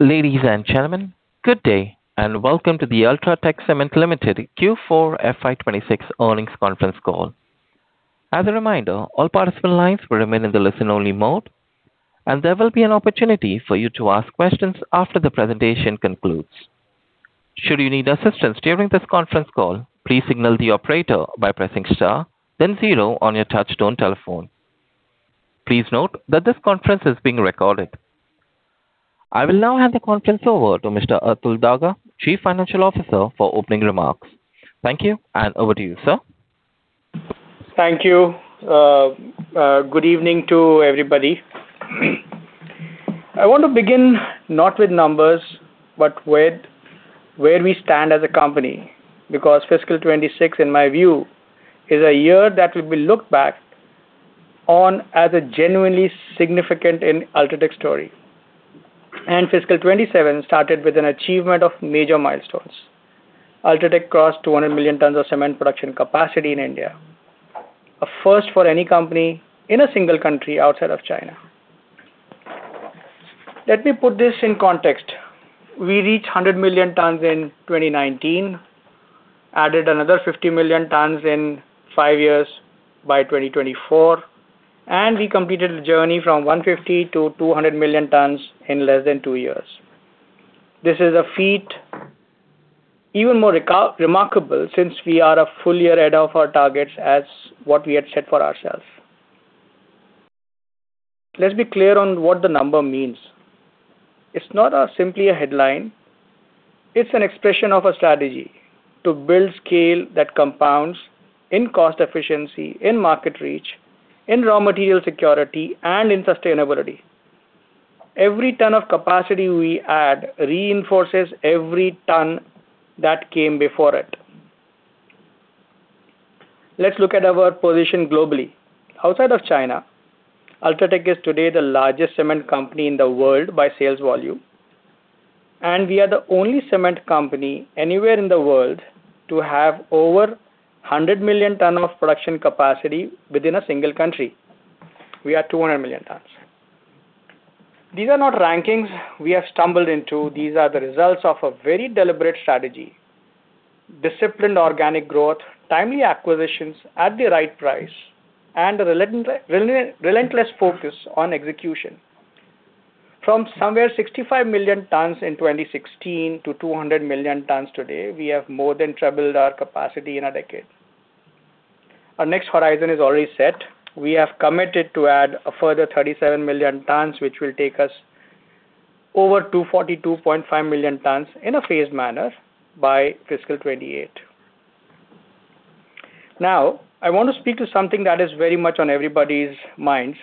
Ladies and gentlemen, good day, and welcome to the The India Cements Limited Q4 FY 2026 earnings conference call. As a reminder, all participant lines will remain in the listen-only mode, and there will be an opportunity for you to ask questions after the presentation concludes. Should you need assistance during this conference call, please signal the operator by pressing star, then zero on your touch-tone telephone. Please note that this conference is being recorded. I will now hand the conference over to Mr. Atul Daga, Chief Financial Officer, for opening remarks. Thank you, and over to you, sir. Thank you. Good evening to everybody. I want to begin not with numbers but with where we stand as a company, because fiscal 2026, in my view, is a year that will be looked back on as a genuinely significant in UltraTech story. Fiscal 2027 started with an achievement of major milestones. UltraTech crossed 200 million tons of cement production capacity in India, a first for any company in a single country outside of China. Let me put this in context. We reached 100 million tons in 2019, added another 50 million tons in five years by 2024, and we completed the journey from 150-200 million tons in less than two years. This is a feat even more remarkable since we are a full year ahead of our targets as what we had set for ourselves. Let's be clear on what the number means. It's not simply a headline. It's an expression of a strategy to build scale that compounds in cost efficiency, in market reach, in raw material security, and in sustainability. Every ton of capacity we add reinforces every ton that came before it. Let's look at our position globally. Outside of China, UltraTech is today the largest cement company in the world by sales volume, and we are the only cement company anywhere in the world to have over 100 million tons of production capacity within a single country. We are 200 million tons. These are not rankings we have stumbled into. These are the results of a very deliberate strategy, disciplined organic growth, timely acquisitions at the right price, and a relentless focus on execution. From somewhere 65 million tons in 2016 to 200 million tons today, we have more than tripled our capacity in a decade. Our next horizon is already set. We have committed to add a further 37 million tons, which will take us over 242.5 million tons in a phased manner by FY 2028. Now, I want to speak to something that is very much on everybody's minds,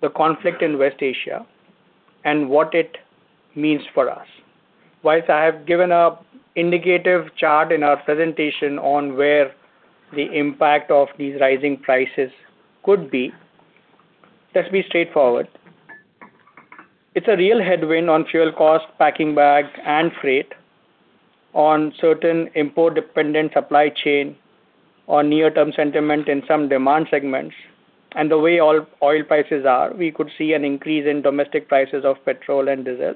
the conflict in West Asia and what it means for us. While I have given an indicative chart in our presentation on where the impact of these rising prices could be, let's be straightforward. It's a real headwind on fuel cost, packing bag, and freight on certain import-dependent supply chain, on near-term sentiment in some demand segments. The way all oil prices are, we could see an increase in domestic prices of petrol and diesel.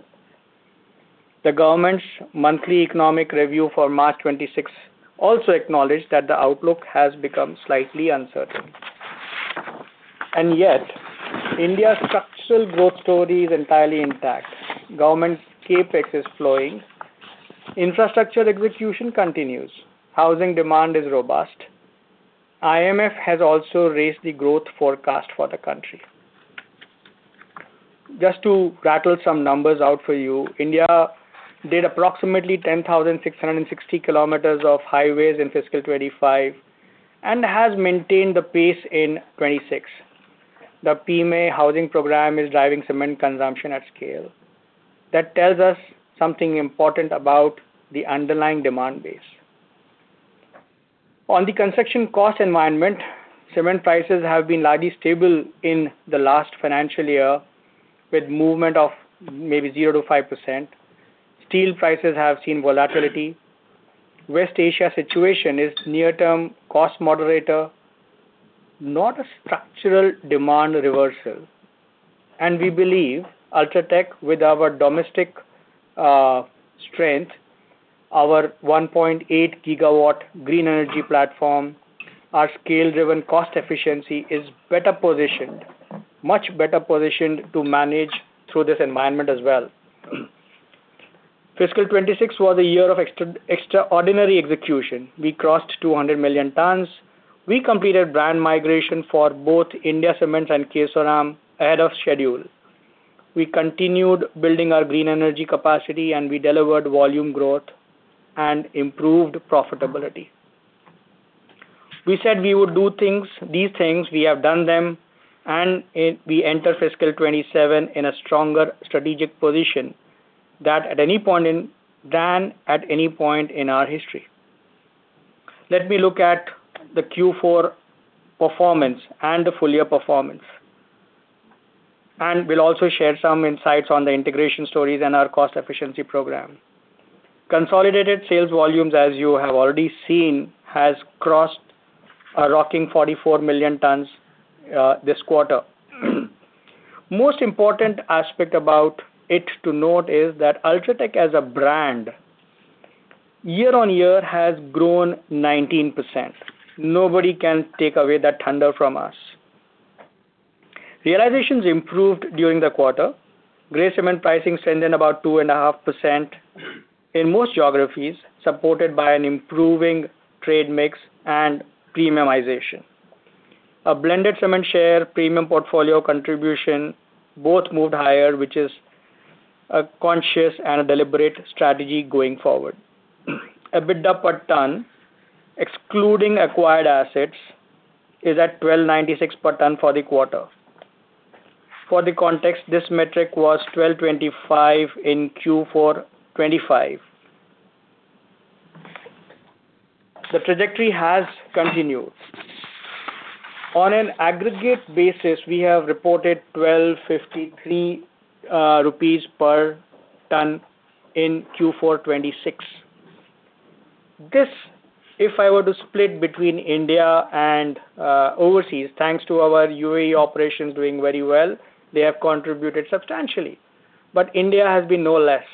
The government's monthly economic review for March 2026 also acknowledged that the outlook has become slightly uncertain. Yet, India's structural growth story is entirely intact. Government's CapEx is flowing. Infrastructure execution continues. Housing demand is robust. IMF has also raised the growth forecast for the country. Just to rattle some numbers out for you, India did approximately 10,600 km of highways in FY 2025 and has maintained the pace in 2026. The PMAY housing program is driving cement consumption at scale. That tells us something important about the underlying demand base. On the construction cost environment, cement prices have been largely stable in the last financial year, with movement of maybe 0%-5%. Steel prices have seen volatility. West Asia situation is near-term cost moderator, not a structural demand reversal. We believe UltraTech, with our domestic strength, our 1.8 GW green energy platform, our scale-driven cost efficiency is better positioned, much better positioned to manage through this environment as well. FY 2026 was a year of extraordinary execution. We crossed 200 million tons. We completed brand migration for both India Cements and Kesoram ahead of schedule. We continued building our green energy capacity, and we delivered volume growth and improved profitability. We said we would do these things, we have done them, and we enter FY 2027 in a stronger strategic position than at any point in our history. Let me look at the Q4 performance and the full year performance. We'll also share some insights on the integration stories and our cost efficiency program. Consolidated sales volumes, as you have already seen, has crossed a record 44 million tons this quarter. Most important aspect about it to note is that UltraTech as a brand year-on-year has grown 19%. Nobody can take away that thunder from us. Realizations improved during the quarter. Gray cement pricing went up about 2.5% in most geographies, supported by an improving trade mix and premiumization. A blended cement share premium portfolio contribution both moved higher, which is a conscious and a deliberate strategy going forward. EBITDA per ton, excluding acquired assets, is at 1,296 per ton for the quarter. For the context, this metric was 1,225 in Q4 2025. The trajectory has continued. On an aggregate basis, we have reported 1,253 rupees per ton in Q4 2026. This, if I were to split between India and overseas, thanks to our UAE operations doing very well, they have contributed substantially. But India has been no less.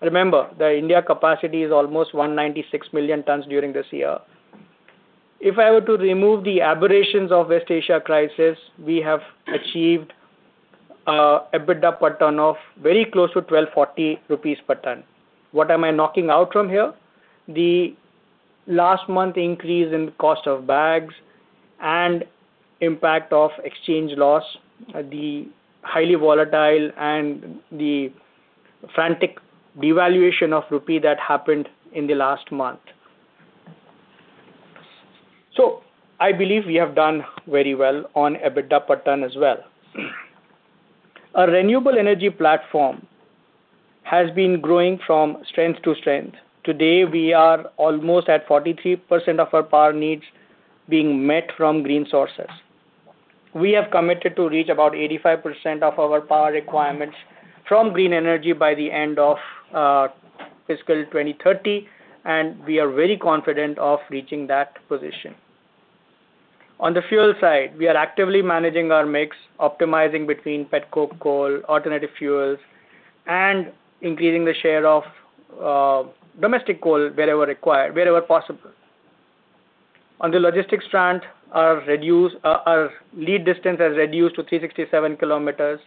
Remember, the India capacity is almost 196 million tons during this year. If I were to remove the aberrations of West Asia crisis, we have achieved EBITDA per ton of very close to 1,240 rupees per ton. What am I knocking out from here? The last month increase in cost of bags and impact of exchange loss, the highly volatile and the frantic devaluation of rupee that happened in the last month. I believe we have done very well on EBITDA per ton as well. Our renewable energy platform has been growing from strength to strength. Today, we are almost at 43% of our power needs being met from green sources. We have committed to reach about 85% of our power requirements from green energy by the end of fiscal 2030, and we are very confident of reaching that position. On the fuel side, we are actively managing our mix, optimizing between petcoke, coal, alternative fuels, and increasing the share of domestic coal wherever required, wherever possible. On the logistics front, our lead distance has reduced to 367 km.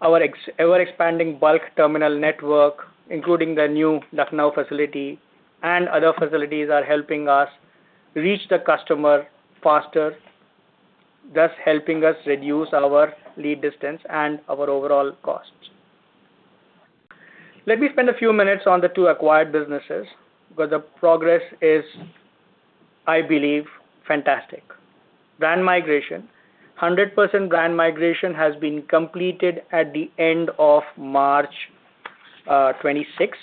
Our expanding bulk terminal network, including the new Lucknow facility and other facilities, are helping us reach the customer faster, thus helping us reduce our lead distance and our overall costs. Let me spend a few minutes on the two acquired businesses, because the progress is, I believe, fantastic. Brand migration, 100% brand migration has been completed at the end of March 2026.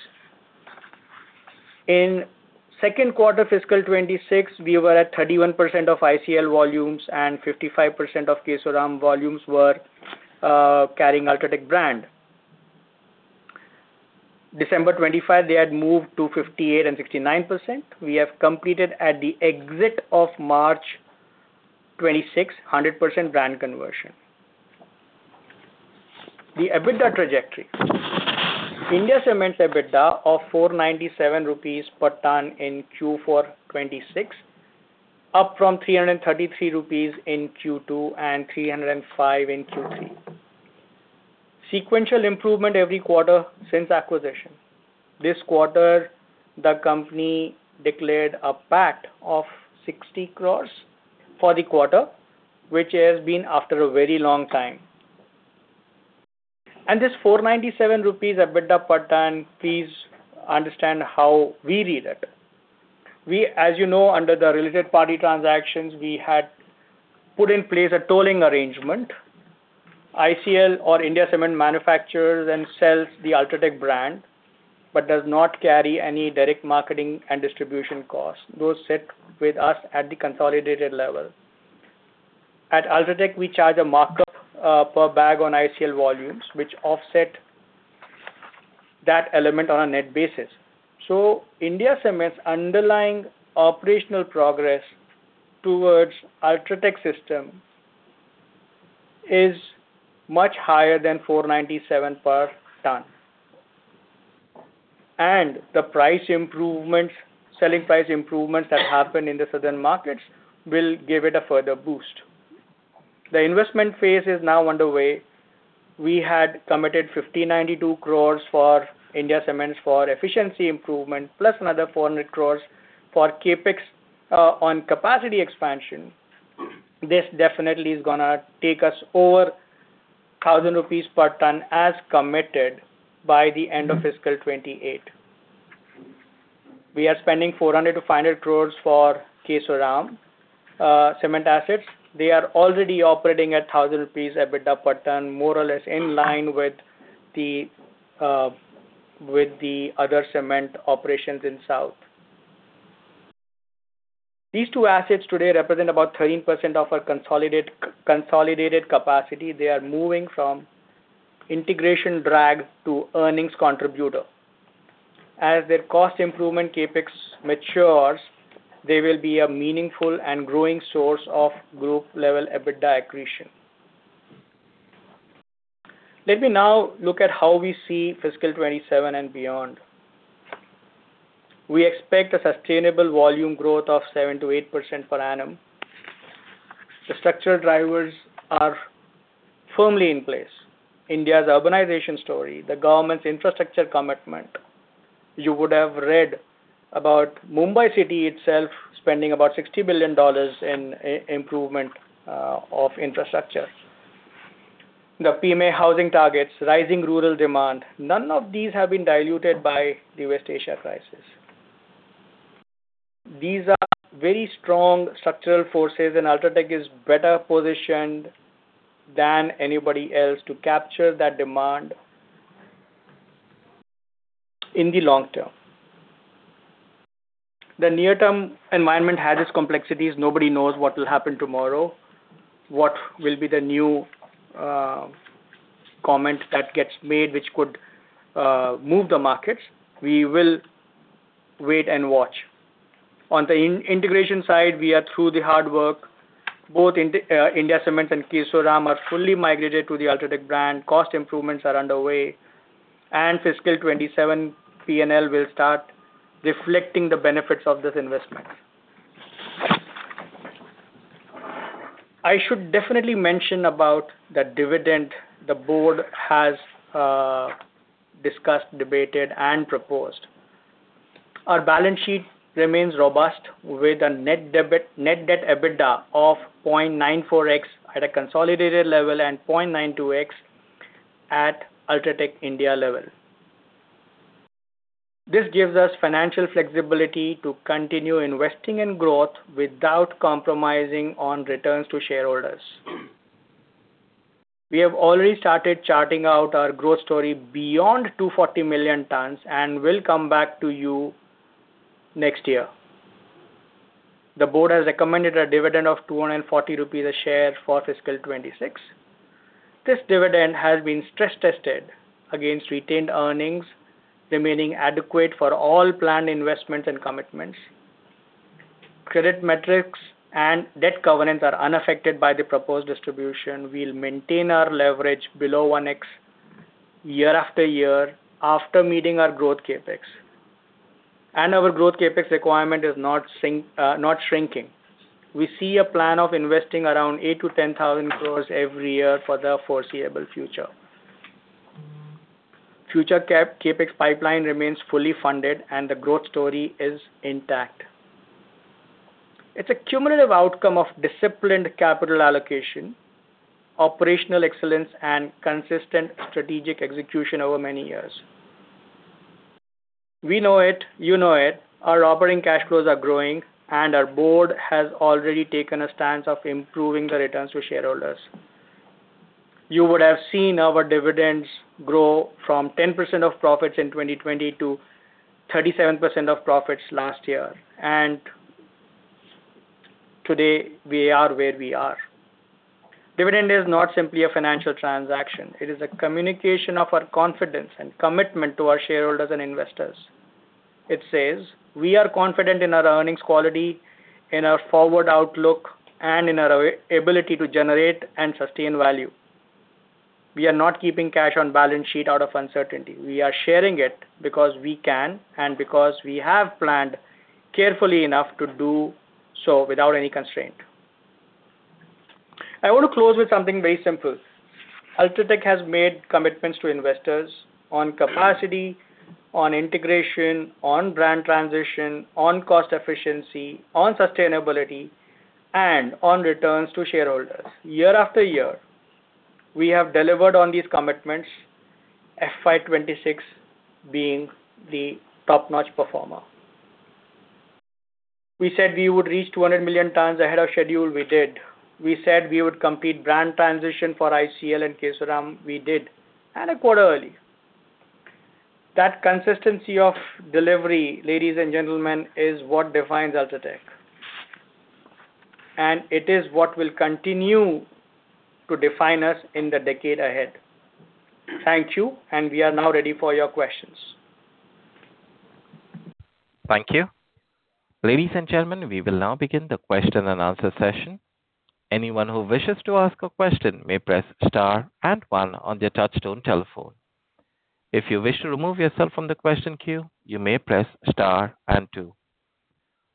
In Q2 FY 2026, we were at 31% of ICL volumes, and 55% of Kesoram volumes were carrying UltraTech brand. December 2025, they had moved to 58% and 69%, we have completed at the end of March 2026, 100% brand conversion. The EBITDA trajectory, India Cements EBITDA of 497 rupees per ton in Q4 2026, up from 333 rupees in Q2, and 305 in Q3. Sequential improvement every quarter since acquisition. This quarter, the company declared a PAT of 60 crore for the quarter, which has been after a very long time. This 497 rupees EBITDA per ton, please understand how we read it. We, as you know, under the related party transactions, we had put in place a tolling arrangement, ICL or India Cements manufactures and sells the UltraTech brand but does not carry any direct marketing and distribution costs. Those sit with us at the consolidated level. At UltraTech, we charge a markup per bag on ICL volumes, which offset that element on a net basis. India Cements' underlying operational progress towards UltraTech system is much higher than 497 per ton. The price improvements, selling price improvements that happen in the southern markets will give it a further boost. The investment phase is now underway. We had committed 5,092 crore for India Cements for efficiency improvement, plus another 400 crore for CapEx on capacity expansion. This definitely is gonna take us over 1,000 rupees per ton as committed by the end of FY 2028. We are spending 400 crore-500 crore for Kesoram cement assets. They are already operating at 1,000 rupees EBITDA per ton, more or less in line with the other cement operations in South. These two assets today represent about 13% of our consolidated capacity, they are moving from integration drag to earnings contributor. As their cost improvement CapEx matures, they will be a meaningful and growing source of group level EBITDA accretion. Let me now look at how we see fiscal 2027 and beyond. We expect a sustainable volume growth of 7%-8% per annum. The structural drivers are firmly in place. India's urbanization story, the government's infrastructure commitment. You would have read about Mumbai city itself spending about $60 billion in improvement of infrastructure. The PMAY housing targets, rising rural demand. None of these have been diluted by the West Asia crisis. These are very strong structural forces, and UltraTech is better positioned than anybody else to capture that demand in the long term. The near-term environment has its complexities, nobody knows what will happen tomorrow, what will be the new comment that gets made, which could move the markets. We will wait and watch. On the integration side, we are through the hard work, both India Cements and Kesoram are fully migrated to the UltraTech brand. Cost improvements are underway and fiscal 2027 P&L will start reflecting the benefits of this investment. I should definitely mention about the dividend the board has discussed, debated, and proposed. Our balance sheet remains robust with a net debt to EBITDA of 0.94x at a consolidated level and 0.92x at UltraTech India level. This gives us financial flexibility to continue investing in growth without compromising on returns to shareholders. We have already started charting out our growth story beyond 240 million tons and will come back to you next year. The board has recommended a dividend of 240 rupees a share for FY 2026. This dividend has been stress tested against retained earnings, remaining adequate for all planned investments and commitments, credit metrics and debt covenants are unaffected by the proposed distribution. We'll maintain our leverage below 1x year after year after meeting our growth CapEx. Our growth CapEx requirement is not shrinking. We see a plan of investing around 8,000-10,000 crores every year for the foreseeable future. Future CapEx pipeline remains fully funded, and the growth story is intact. It's a cumulative outcome of disciplined capital allocation, operational excellence, and consistent strategic execution over many years. We know it. You know it. Our operating cash flows are growing, and our board has already taken a stance of improving the returns to shareholders. You would have seen our dividends grow from 10% of profits in 2020 to 37% of profits last year. Today we are where we are. Dividend is not simply a financial transaction; it is a communication of our confidence and commitment to our shareholders and investors. It says we are confident in our earnings quality, in our forward outlook, and in our ability to generate and sustain value. We are not keeping cash on balance sheet out of uncertainty. We are sharing it because we can and because we have planned carefully enough to do so without any constraint. I want to close with something very simple. UltraTech has made commitments to investors on capacity, on integration, on brand transition, on cost efficiency, on sustainability, and on returns to shareholders. Year after year, we have delivered on these commitments. FY 2026 being the top-notch performer. We said we would reach 200 million tons ahead of schedule. We did. We said we would complete brand transition for ICL and Kesoram. We did, and a quarter early. That consistency of delivery, ladies and gentlemen, is what defines UltraTech. It is what will continue to define us in the decade ahead. Thank you, and we are now ready for your questions. Thank you. Ladies and gentlemen, we will now begin the question-and-answer session. Anyone who wishes to ask a question may press star and one on their touchtone telephone. If you wish to remove yourself from the question queue, you may press star and two.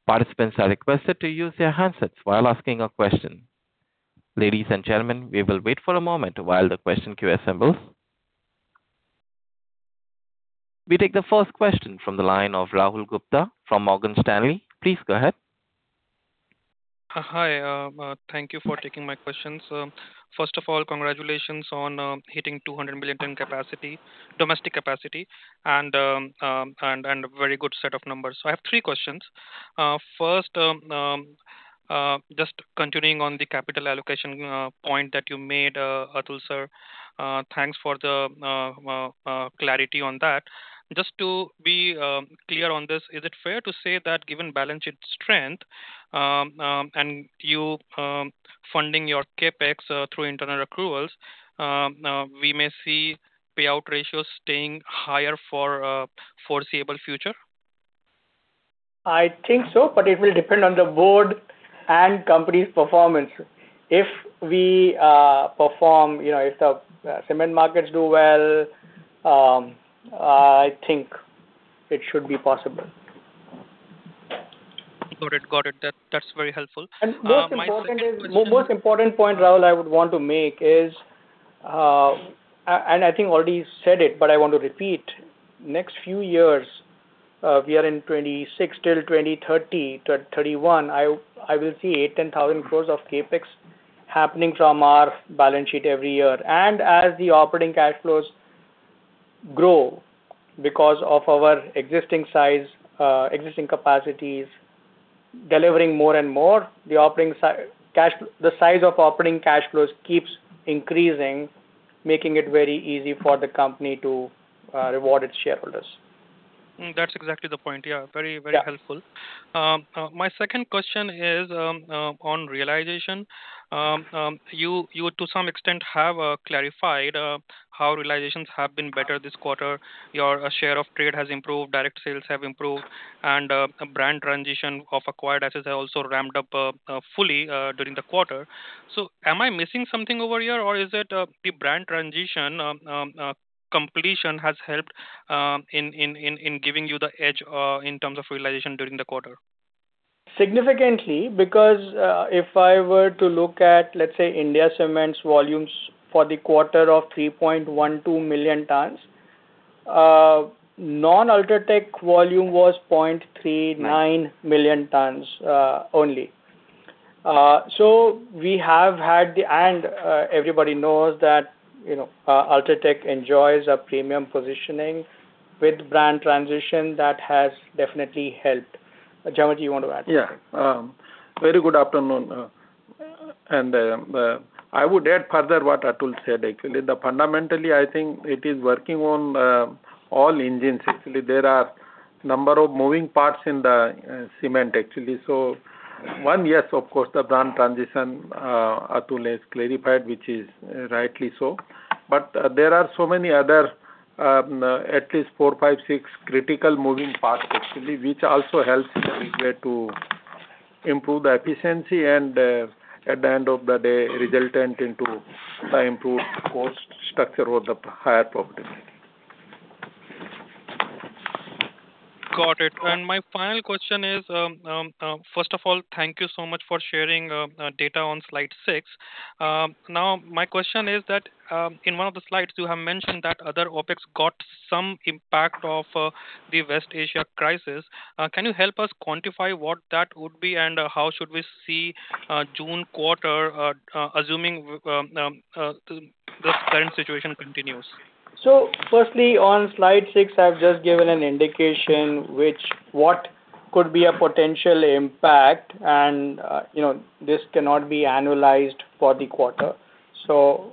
Participants are requested to use their handsets while asking a question. Ladies and gentlemen, we will wait for a moment while the question queue assembles. We take the first question from the line of Rahul Gupta from Morgan Stanley. Please go ahead. Hi. Thank you for taking my questions. First of all, congratulations on hitting 200-million-ton capacity, domestic capacity and a very good set of numbers. I have three questions. First, just continuing on the capital allocation point that you made, Atul, sir. Thanks for the clarity on that. Just to be clear on this, is it fair to say that given balance sheet strength and you funding your CapEx through internal accruals, we may see payout ratios staying higher for foreseeable future? I think so, but it will depend on the board and company's performance. If we perform if the cement markets do well, I think it should be possible. Got it. That's very helpful. Most important is. My second question is. Most important point, Rahul, I would want to make is, and I think already said it, but I want to repeat. Next few years, we are in 2026 till 2030, 2031, I will see 8,000 crore-10,000 crore of CapEx happening from our balance sheet every year. As the operating cash flows grow because of our existing size, existing capacities delivering more and more, the size of operating cash flows keeps increasing, making it very easy for the company to reward its shareholders. That's exactly the point. Yeah. Very, very helpful. Yeah. My second question is on realization. You to some extents have clarified how realizations have been better this quarter. Your share of trade has improved, direct sales have improved, and brand transition of acquired assets has also ramped up fully during the quarter. Am I missing something over here? Or is it the brand transition completion has helped in giving you the edge in terms of realization during the quarter? Significantly, because if I were to look at, let's say, India Cements' volumes for the quarter of 3.12 million tons, non-UltraTech volume was 0.39 million tons only. Everybody knows that UltraTech enjoys a premium positioning with brand transition, that has definitely helped. Jamal, do you want to add something? Yeah. Very good afternoon. I would add further what Atul said, actually. That fundamentally I think it is working on all engines actually, there are number of moving parts in the cement, actually. One, yes, of course, the brand transition Atul has clarified, which is rightly so. There are so many other, at least four, five, six critical moving parts actually, which also helps in a big way to improve the efficiency and at the end of the day resultant into the improved cost structure or the higher profitability. Got it. My final question is, first of all, thank you so much for sharing data on Slide 6. Now my question is that in one of the slides you have mentioned that other OpEx got some impact of the West Asia crisis. Can you help us quantify what that would be? How should we see June quarter assuming the current situation continues. Firstly, on Slide 6, I've just given an indication of what could be a potential impact, and this cannot be annualized for the quarter so,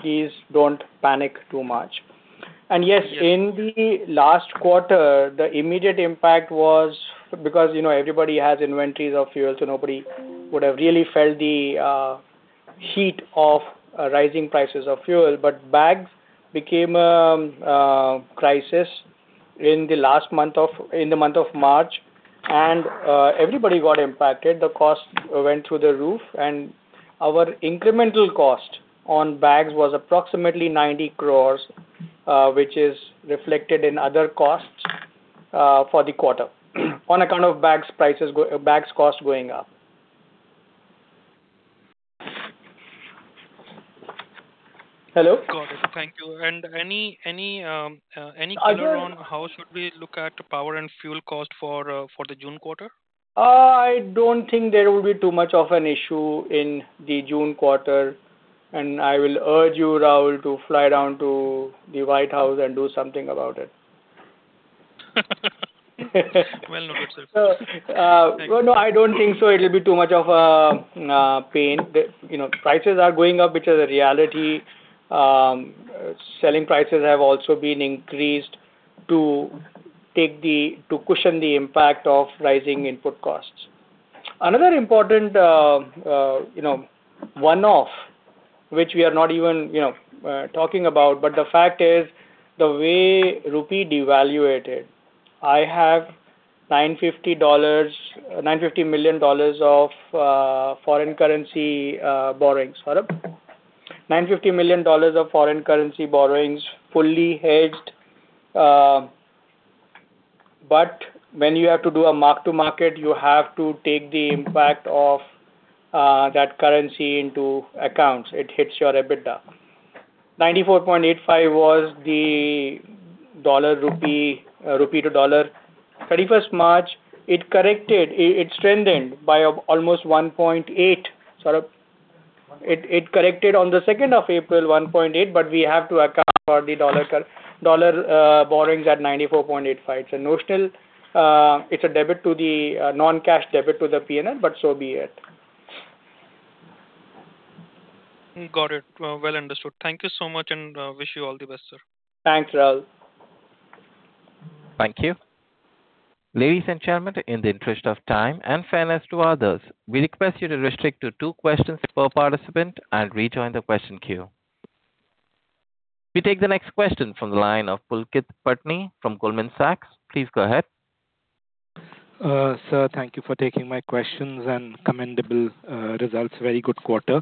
please don't panic too much. Yes, in the last quarter, the immediate impact was because, everybody has inventories of fuel, so nobody would have really felt the heat of rising prices of fuel, but bags became a crisis in the month of March. Everybody got impacted. The cost went through the roof. Our incremental cost on bags was approximately 90 crores, which is reflected in other costs for the quarter on account of bags cost going up. Hello? Got it. Thank you. Any color on how should we look at power and fuel cost for the June quarter? I don't think there will be too much of an issue in the June quarter. I will urge you, Rahul, to fly down to the White House and do something about it. Well noted, sir. So, uh- Thank you. Well, no, I don't think so it'll be too much of a pain. Prices are going up, which is a reality. Selling prices have also been increased to cushion the impact of rising input costs. Another important one-off, which we are not even talking about, but the fact is the way the rupee devalued, I have $950 million of foreign currency borrowings, fully hedged. But when you have to do a mark-to-market, you have to take the impact of that currency into account. It hits your EBITDA. 94.85 was the dollar rupee to dollar. 31 March, it corrected. It strengthened by almost 1.8. It corrected on the second of April 1.8, but we have to account for the dollar borrowings at 94.85. Notional, it's a debit to the non-cash debit to the PNL but so be it. Got it. Well understood. Thank you so much, and wish you all the best, sir. Thanks, Rahul Gupta. Thank you. Ladies and gentlemen, in the interest of time and fairness to others, we request you to restrict to two questions per participant and rejoin the question queue. We take the next question from the line of Pulkit Patni from Goldman Sachs. Please go ahead. Sir, thank you for taking my questions and commendable results. Very good quarter.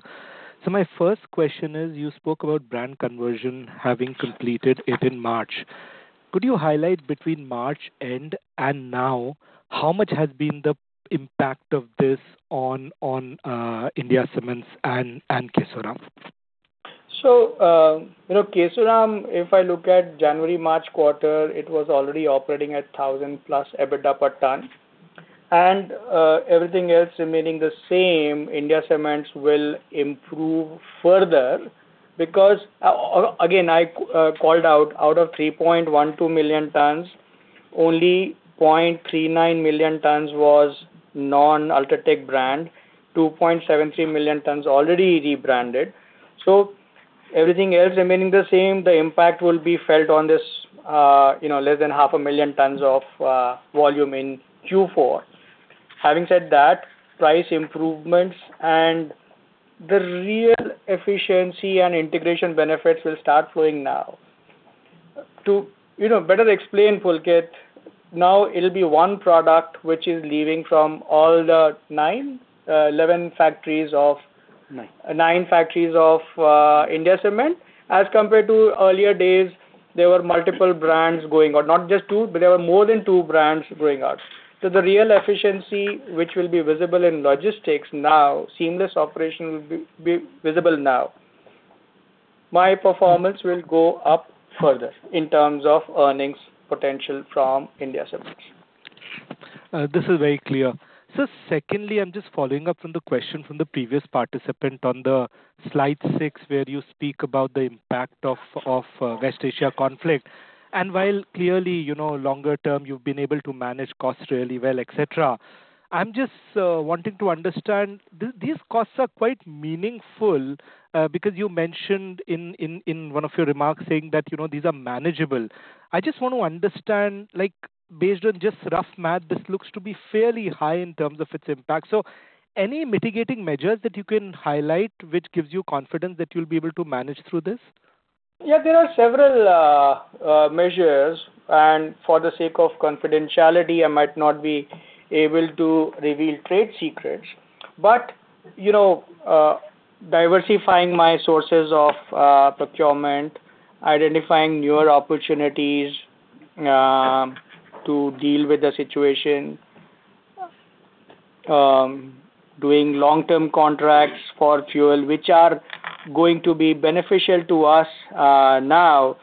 My first question is you spoke about brand conversion having completed it in March. Could you highlight between March end and now how much has been the impact of this on India Cements and Kesoram? Kesoram, if I look at January-March quarter, it was already operating at 1,000+ EBITDA per ton. Everything else remaining the same, India Cements will improve further because again, I called out of 3.12 million tons, only 0.39 million tons was non-UltraTech brand, 2.73 million tons already rebranded. Everything else remaining the same, the impact will be felt on this less than 500,000 tons of volume in Q4. Having said that, price improvements and the real efficiency and integration benefits will start flowing now. To better explain, Pulkit, now it'll be one product which is leaving from all the nine, 11 factories of nine factories of India Cements. As compared to earlier days, there were multiple brands going out, not just two, but there were more than two brands going out. The real efficiency which will be visible in logistics now, seamless operation will be visible now. My performance will go up further in terms of earnings potential from India Cements. This is very clear. Secondly, I'm just following up from the question from the previous participant on the Slide 6, where you speak about the impact of West Asia conflict. While clearly, longer term you've been able to manage costs really well, et cetera. I'm just wanting to understand, these costs are quite meaningful, because you mentioned in one of your remarks saying that these are manageable. I just want to understand, like based on just rough math, this looks to be fairly high in terms of its impact. Any mitigating measures that you can highlight which gives you confidence that you'll be able to manage through this? Yeah, there are several measures, and for the sake of confidentiality, I might not be able to reveal trade secrets but diversifying my sources of procurement, identifying newer opportunities to deal with the situation, doing long-term contracts for fuel, which are going to be beneficial to us now.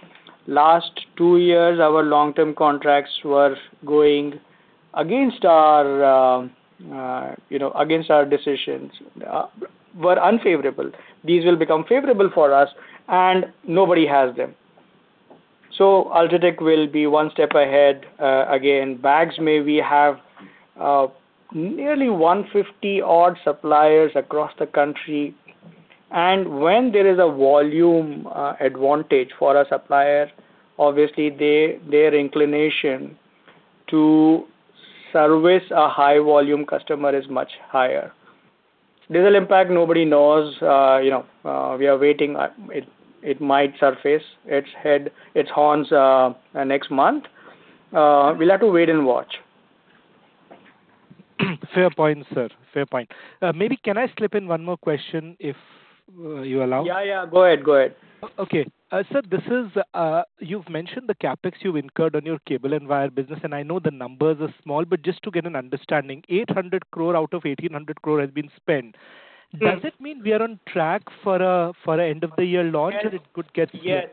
In the last two years, our long-term contracts were going against our decisions, we're unfavorable. These will become favorable for us, and nobody has them so, UltraTech will be one step ahead. Again, bags, we have nearly 150 odd suppliers across the country. When there is a volume advantage for a supplier, obviously their inclination to service a high-volume customer is much higher. This will impact nobody knows we are waiting it might surface its head, its horns next month. We'll have to wait and watch. Fair point, sir. Maybe can I slip in one more question if you allow? Yeah, yeah, go ahead. Go ahead. Sir, this is, you've mentioned the CapEx you've incurred on your cable and wire business, and I know the numbers are small. Just to get an understanding, 800 crore out of 1,800 crore has been spent. Yes. Does it mean we are on track for a end of the year launch? Yes.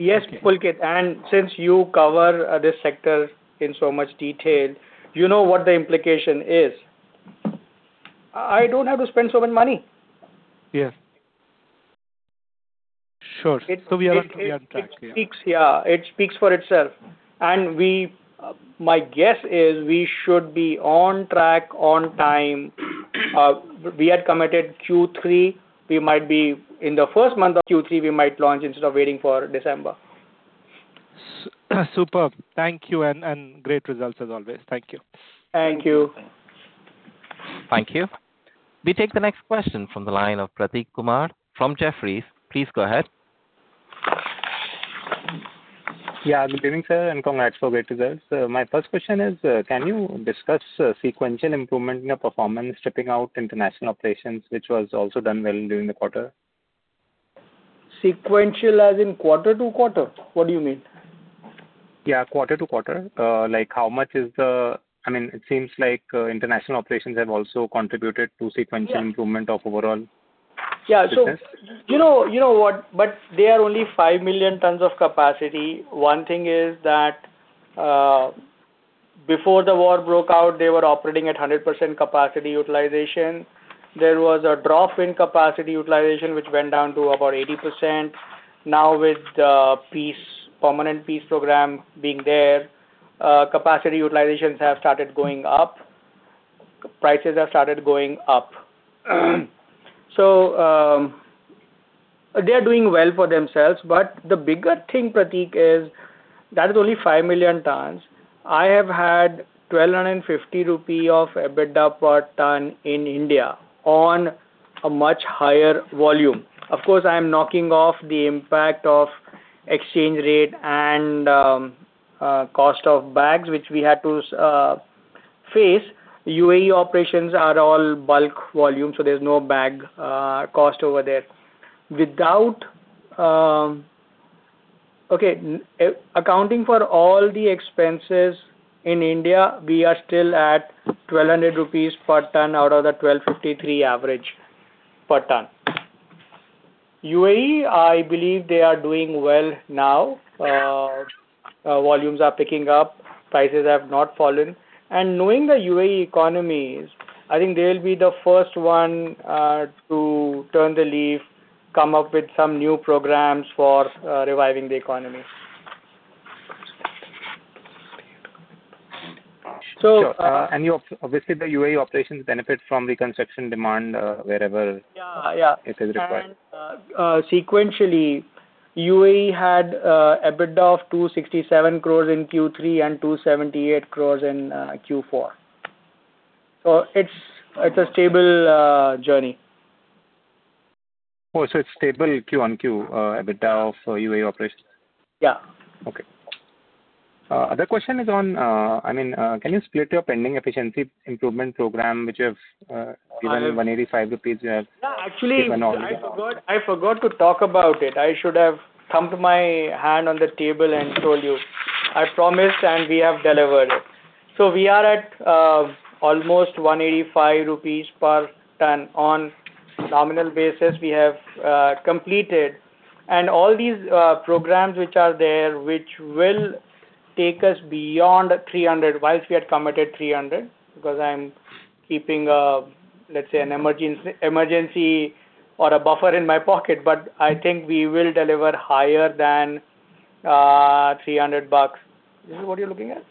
Okay. Pulkit, since you cover this sector in so much detail, you know what the implication is. I don't have to spend so much money. Yes. Sure. It- We are on track, yeah. It speaks, yeah. It speaks for itself. We, my guess is we should be on track, on time. We had committed Q3. We might be in the first month of Q3, we might launch instead of waiting for December. Superb. Thank you, and great results as always. Thank you. Thank you. Thank you. We take the next question from the line of Prateek Kumar from Jefferies. Please go ahead. Yeah, good evening, sir, and congrats for great results. My first question is, can you discuss sequential improvement in your performance stripping out international operations, which was also done well during the quarter? Sequential as in quarter-over-quarter? What do you mean? Yeah, quarter to quarter. I mean, it seems like international operations have also contributed to sequential- Yeah. Improvement of overall business. Yeah. You know what? They are only 5 million tons of capacity. One thing is that before the war broke out, they were operating at 100% capacity utilization. There was a drop in capacity utilization which went down to about 80%. Now, with the peace, permanent peace program being there, capacity utilizations have started going up. Prices have started going up. They are doing well for themselves. The bigger thing, Prateek, is that is only 5 million tons. I have had 1,250 rupee of EBITDA per ton in India on a much higher volume. Of course, I am knocking off the impact of exchange rate and cost of bags which we had to face. UAE operations are all bulk volume, so there's no bag cost over there. Okay, accounting for all the expenses in India, we are still at 1,200 rupees per ton out of the 1,253 average per ton. UAE, I believe they are doing well now. Volumes are picking up; prices have not fallen. Knowing the UAE economies, I think they'll be the first one to turn the leaf, come up with some new programs for reviving the economy. Sure. Obviously the UAE operations benefit from the construction demand, wherever Yeah. Yeah It is required. Sequentially, UAE had EBITDA of 267 crores in Q3 and 278 crores in Q4. It's a stable journey. It's stable Q on Q, EBITDA for UAE operations? Yeah. Okay. Other question is on can you split your pending efficiency improvement program which you have given 185 rupees you have- Yeah. Actually, I forgot to talk about it. I should have thumped my hand on the table and told you. I promised, and we have delivered. We are at almost 185 rupees per ton. On nominal basis, we have completed. All these programs which are there, which will take us beyond 300, while we had committed 300, because I am keeping, let's say an emergency or a buffer in my pocket, but I think we will deliver higher than $300 bucks. Is this what you're looking at?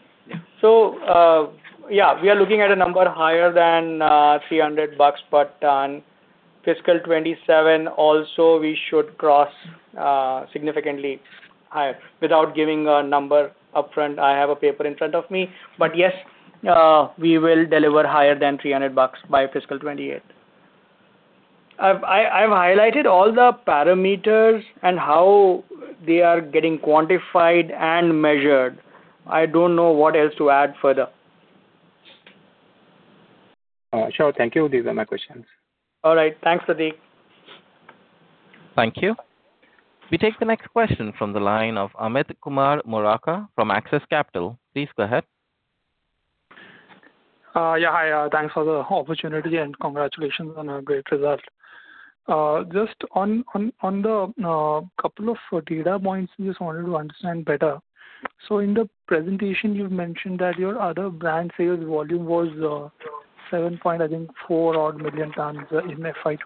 Yeah, we are looking at a number higher than $300 bucks per ton. FY 2027 also we should cross significantly higher. Without giving a number upfront, I have a paper in front of me. Yes, we will deliver higher than INR 300 by FY 2028. I've highlighted all the parameters and how they are getting quantified and measured. I don't know what else to add further. Sure. Thank you. These are my questions. All right. Thanks, Prateek. Thank you. We take the next question from the line of Amit Murarka from Axis Capital. Please go ahead. Yeah. Hi, thanks for the opportunity, and congratulations on a great result. Just on the couple of data points, we just wanted to understand better. In the presentation, you've mentioned that your other brand sales volume was 7.4-odd million tons in FY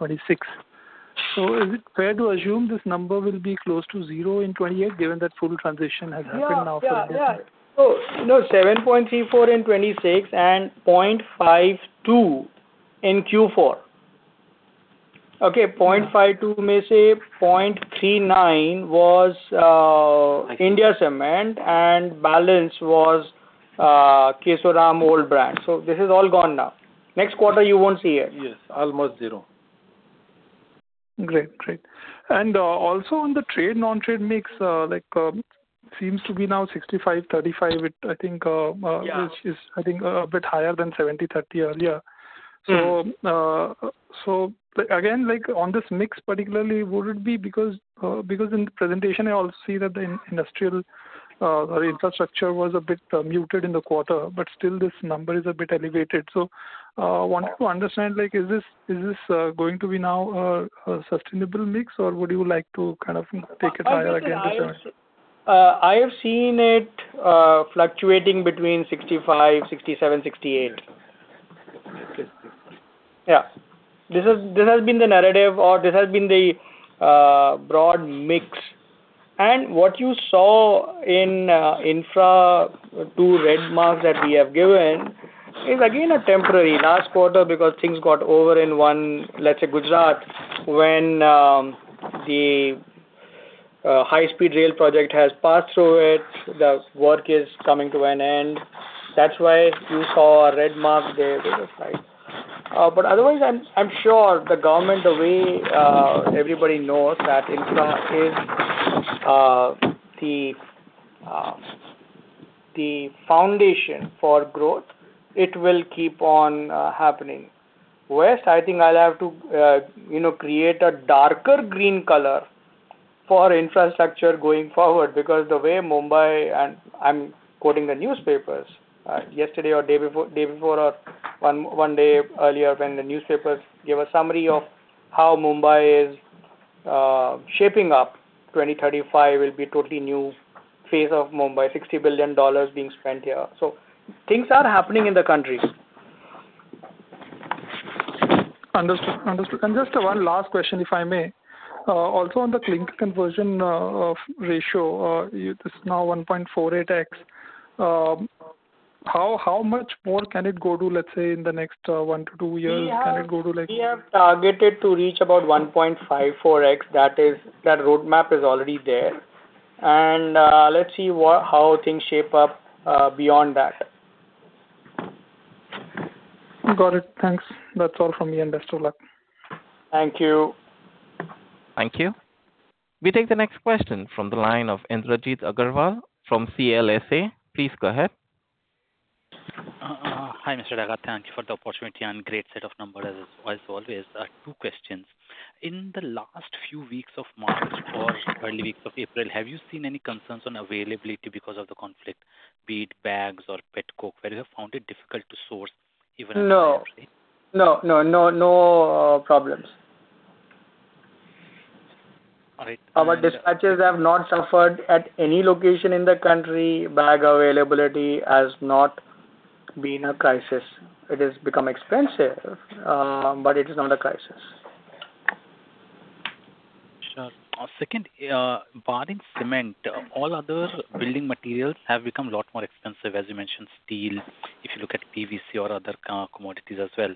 2026. Is it fair to assume this number will be close to zero in 2028, given that full transition has happened now for good measure? Yeah. No, 7.34% in 2026 and 0.52% in Q4. Okay. 0.52%, maybe 0.39% was India Cements and balance was Kesoram old brand. This is all gone now. Next quarter you won't see it. Yes. Almost zero. Great. Great. Also on the trade, non-trade mix, like, seems to be now 65%-35% with I think, Yeah which is I think a bit higher than 70/30 earlier. Mm-hmm. Again, like on this mix particularly, would it be because in the presentation I also see that the industrial or infrastructure was a bit muted in the quarter, but still this number is a bit elevated. Wanted to understand like, is this going to be now a sustainable mix or would you like to kind of take a trial again this time? I have seen it fluctuating between 65, 67, 68. Okay. This has been the narrative, or this has been the broad mix. What you saw in infra, two red marks that we have given is again a temporary last quarter because things got over in one, let's say Gujarat when the high-speed rail project has passed through it. The work is coming to an end. That's why you saw a red mark there. Otherwise, I'm sure the government, the way everybody knows that infra is the foundation for growth, it will keep on happening. West, I think I'll have to create a darker green color for infrastructure going forward because the way Mumbai. I'm quoting the newspapers yesterday or day before or one day earlier when the newspapers gave a summary of how Mumbai is shaping up, 2035 will be totally new phase of Mumba, $60 billion being spent here. Things are happening in the country. Understood. Just one last question, if I may. Also on the clinker conversion ratio, it is now 1.48x. How much more can it go to, let's say in the next one to two years? Can it go to like- We have targeted to reach about 1.54x. That roadmap is already there. Let's see what how things shape up beyond that. Got it. Thanks. That's all from me and best of luck. Thank you. Thank you. We take the next question from the line of Indrajit Agarwal from CLSA. Please go ahead. Hi, Mr. Agarwal. Thank you for the opportunity and great set of numbers as always. Two questions. In the last few weeks of March or early weeks of April, have you seen any concerns on availability because of the conflict, be it bags or petcoke, where you have found it difficult to source. No problems. All right. Our dispatches have not suffered at any location in the country. Bag availability has not been a crisis. It has become expensive, but it is not a crisis. Sure. Second, barring cement, all other building materials have become a lot more expensive, as you mentioned, steel, if you look at PVC or other commodities as well.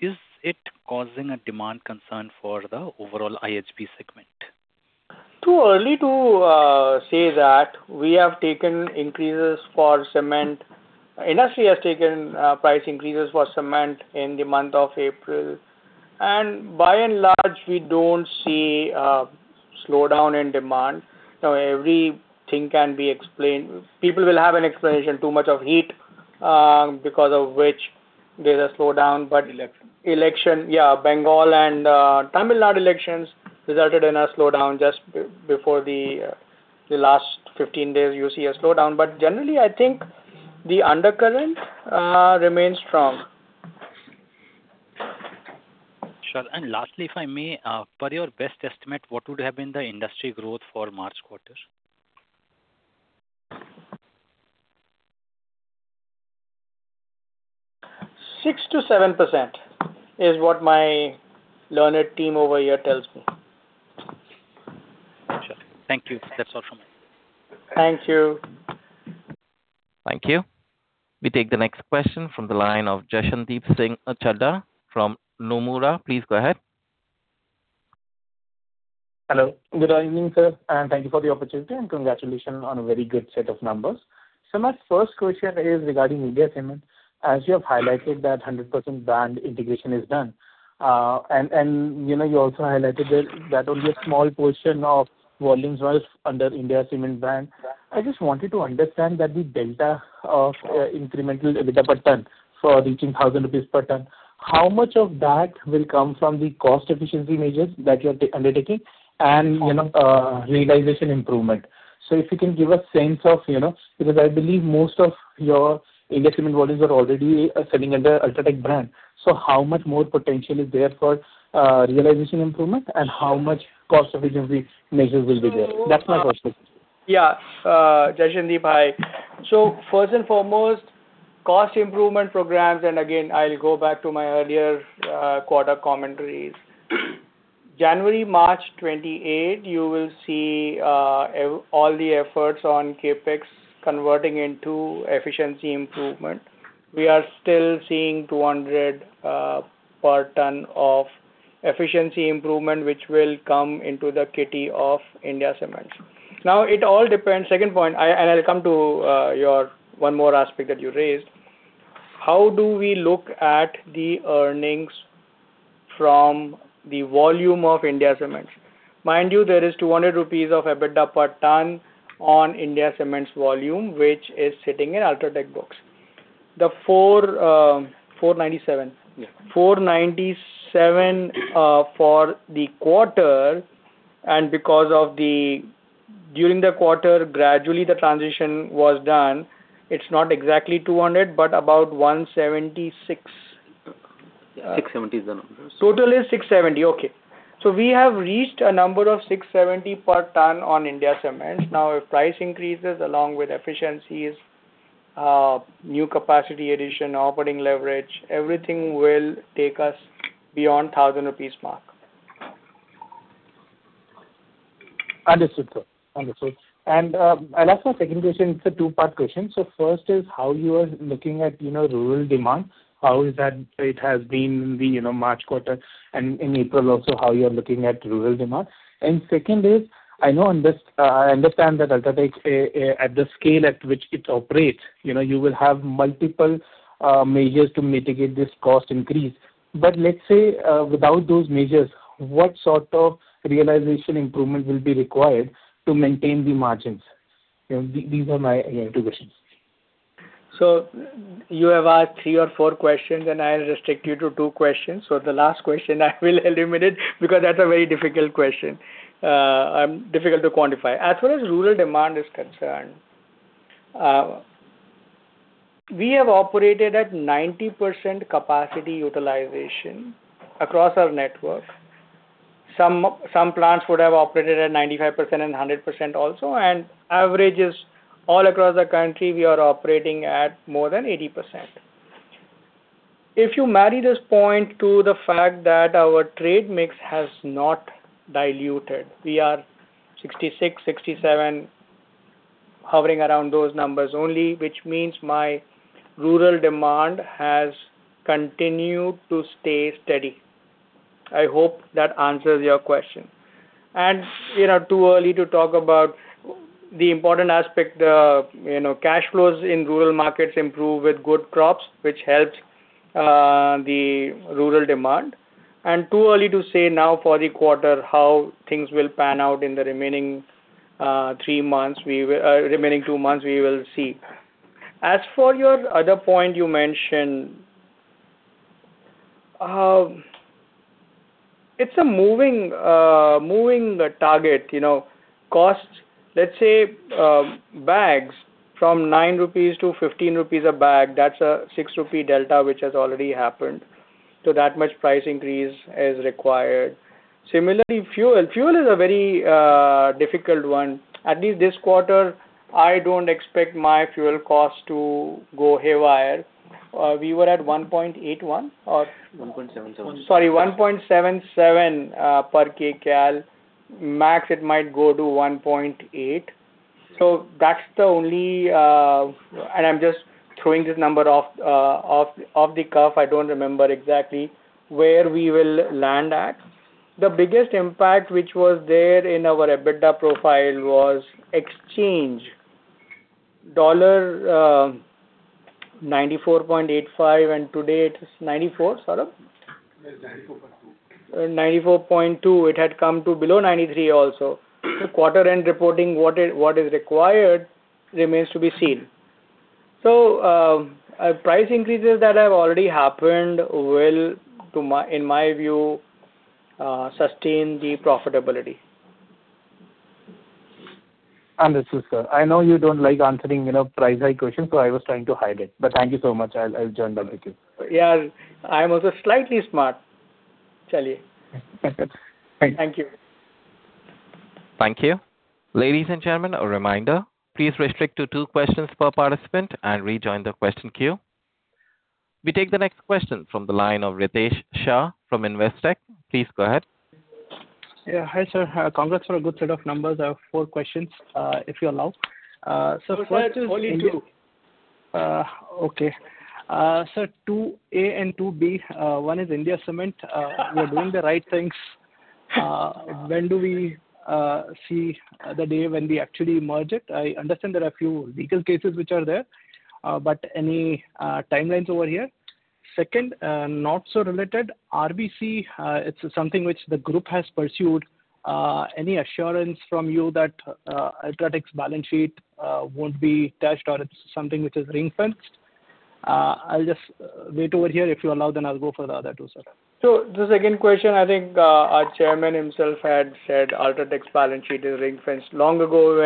Is it causing a demand concern for the overall IHB segment? Too early to say that. We have taken increases for cement. Industry has taken price increases for cement in the month of April. By and large, we don't see a slowdown in demand. Now, everything can be explained. People will have an explanation, too much of heat, because of which there's a slowdown. Election. Election, yeah, Bengal and Tamil Nadu elections resulted in a slowdown just before the last 15 days you see a slowdown. Generally, I think the undercurrent remains strong. Sure. Lastly, if I may, per your best estimate, what would have been the industry growth for March quarter? 6%-7% is what my learned team over here tells me. Sure. Thank you. That's all from me. Thank you. Thank you. We take the next question from the line of Jashandeep Singh Chadha from Nomura Hello. Good evening, sir, and thank you for the opportunity, and congratulations on a very good set of numbers. My first question is regarding The India Cements, as you have highlighted that 100% brand integration is done. You also highlighted that only a small portion of volumes was under The India Cements brand. I just wanted to understand that the delta of incremental EBITDA per ton for reaching 1,000 rupees per ton, how much of that will come from the cost efficiency measures that you're undertaking and realization improvement? If you can give a sense of, you know, because I believe most of your The India Cements volumes are already selling under UltraTech brand. How much more potential is there for realization improvement and how much cost efficiency measures will be there? That's my question. Yeah. Jashandeep, hi, first and foremost, cost improvement programs, and again, I'll go back to my earlier quarter commentaries. January-March 2028, you will see all the efforts on CapEx converting into efficiency improvement. We are still seeing 200 per ton of efficiency improvement, which will come into the kitty of India Cements. Now, it all depends. Second point, and I'll come to your one more aspect that you raised. How do we look at the earnings from the volume of India Cements? Mind you, there is 200 rupees of EBITDA per ton on India Cements volume, which is sitting in UltraTech books. The 497 for the quarter. During the quarter, gradually the transition was done, it's not exactly 200, but about 176. 670 is the number. Total is 670. Okay. We have reached a number of 670 per ton on The India Cements. Now, if price increases along with efficiencies, new capacity addition, operating leverage, everything will take us beyond 1,000 rupees mark. Understood, sir. I'll ask my second question. It's a two-part question. First is how you are looking at rural demand, how is that it has been in the March quarter and in April also, how you are looking at rural demand? Second is I understand that UltraTech's at the scale at which it operates you will have multiple measures to mitigate this cost increase. But let's say, without those measures, what sort of realization improvement will be required to maintain the margins? These are my two questions. You have asked three or four questions, and I'll restrict you to two questions. The last question I will eliminate because that's a very difficult question, difficult to quantify. As far as rural demand is concerned, we have operated at 90% capacity utilization across our network. Some plants would have operated at 95% and 100% also. The average is all across the country, we are operating at more than 80%. If you marry this point to the fact that our trade mix has not diluted. We are 66, 67, hovering around those numbers only, which means my rural demand has continued to stay steady. I hope that answers your question. Too early to talk about the important aspect, you know, cash flows in rural markets improve with good crops, which helps the rural demand. Too early to say now for the quarter how things will pan out in the remaining two months. We will see. As for your other point you mentioned, it's a moving target costs, let's say, bags from 9 rupees to 15 rupees a bag. That's a 6 rupee delta which has already happened, so that much price increase is required. Similarly, fuel. Fuel is a very difficult one. At least this quarter, I don't expect my fuel cost to go haywire. We were at 1.81 or 1.77. Sorry, 1.77 per kcal. Max it might go to 1.8. That's the only. I'm just throwing this number off the cuff. I don't remember exactly where we will land at. The biggest impact which was there in our EBITDA profile was exchange. Dollar $94.85, and today it is $94. Saurabh? It is 94.2%. 94.2%. It had come to below 93% also. Quarter end reporting, what is required remains to be seen. Price increases that have already happened will, in my view, sustain the profitability. Understood, sir. I know you don't like answering price hike questions, so I was trying to hide it. But thank you so much. I'll join the queue. Yeah. I'm also slightly smart. Thank you. Thank you. Thank you. Ladies and gentlemen, a reminder, please restrict to two questions per participant and rejoin the question queue. We take the next question from the line of Ritesh Shah from Investec. Please go ahead. Yeah. Hi, sir. Congrats for a good set of numbers. I have four questions, if you allow. First is- Sir, it is only two. Okay. Sir, 2A and 2B. One is The India Cements. We're doing the right things. When do we see the day when we actually merge it? I understand there are a few legal cases which are there, but any timelines over here? Second, not so related. RBC, it's something which the group has pursued. Any assurance from you that UltraTech's balance sheet won't be touched or it's something which is ring-fenced? I'll just wait over here. If you allow, then I'll go for the other two, sir. The second question, I think, our chairman himself had said UltraTech's balance sheet is ring-fenced long ago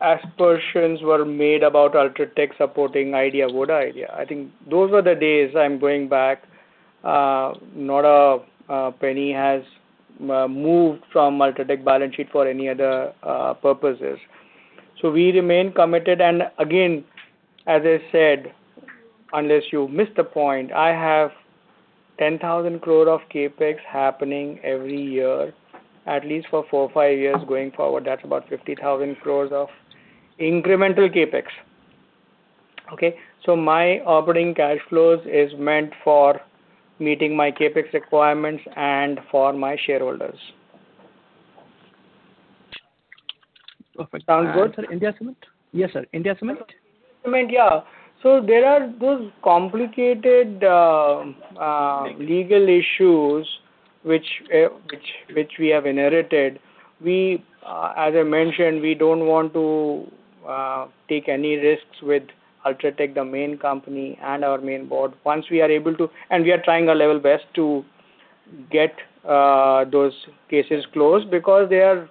when aspirations were made about UltraTech supporting Vodafone Idea. I think those were the days I'm going back. Not a penny has moved from UltraTech balance sheet for any other purposes. We remain committed. Again, as I said, unless you missed the point, I have 10,000 crore of CapEx happening every year, at least for four, five years going forward. That's about 50,000 crores of incremental CapEx. Okay? My operating cash flows is meant for meeting my CapEx requirements and for my shareholders. Perfect. Sounds good? Sir, India Cements? Yes, sir. India Cements? Cement, yeah. There are those complicated legal issues which we have inherited. We, as I mentioned, we don't want to take any risks with UltraTech, the main company, and our main board. We are trying our level best to get those cases closed because they are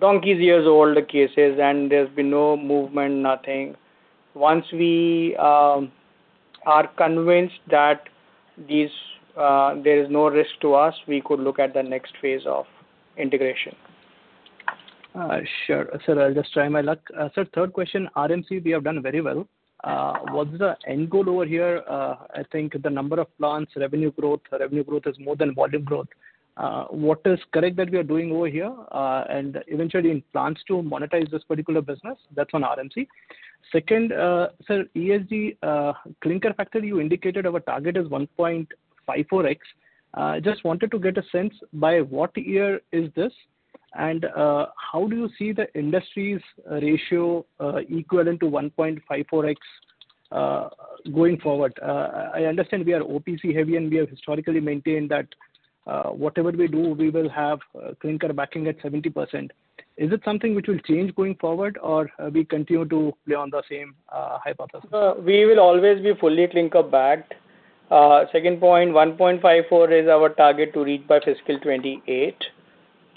donkey's years old cases and there's been no movement, nothing. Once we are convinced that there is no risk to us, we could look at the next phase of integration. Sure. Sir, I'll just try my luck. Sir, third question. RMC, we have done very well. What's the end goal over here? I think the number of plants, revenue growth. Revenue growth is more than volume growth. What is correct that we are doing over here? And eventually any plans to monetize this particular business? That's on RMC. Second, sir, ESG, clinker factor, you indicated our target is 1.54x. Just wanted to get a sense by what year is this, and, how do you see the industry's ratio, equivalent to 1.54x, going forward? I understand we are OPC heavy, and we have historically maintained that whatever we do, we will have clinker backing at 70%. Is it something which will change going forward or we continue to play on the same, hypothesis? We will always be fully clinker-backed. Second point, 1.54 is our target to reach by FY 2028.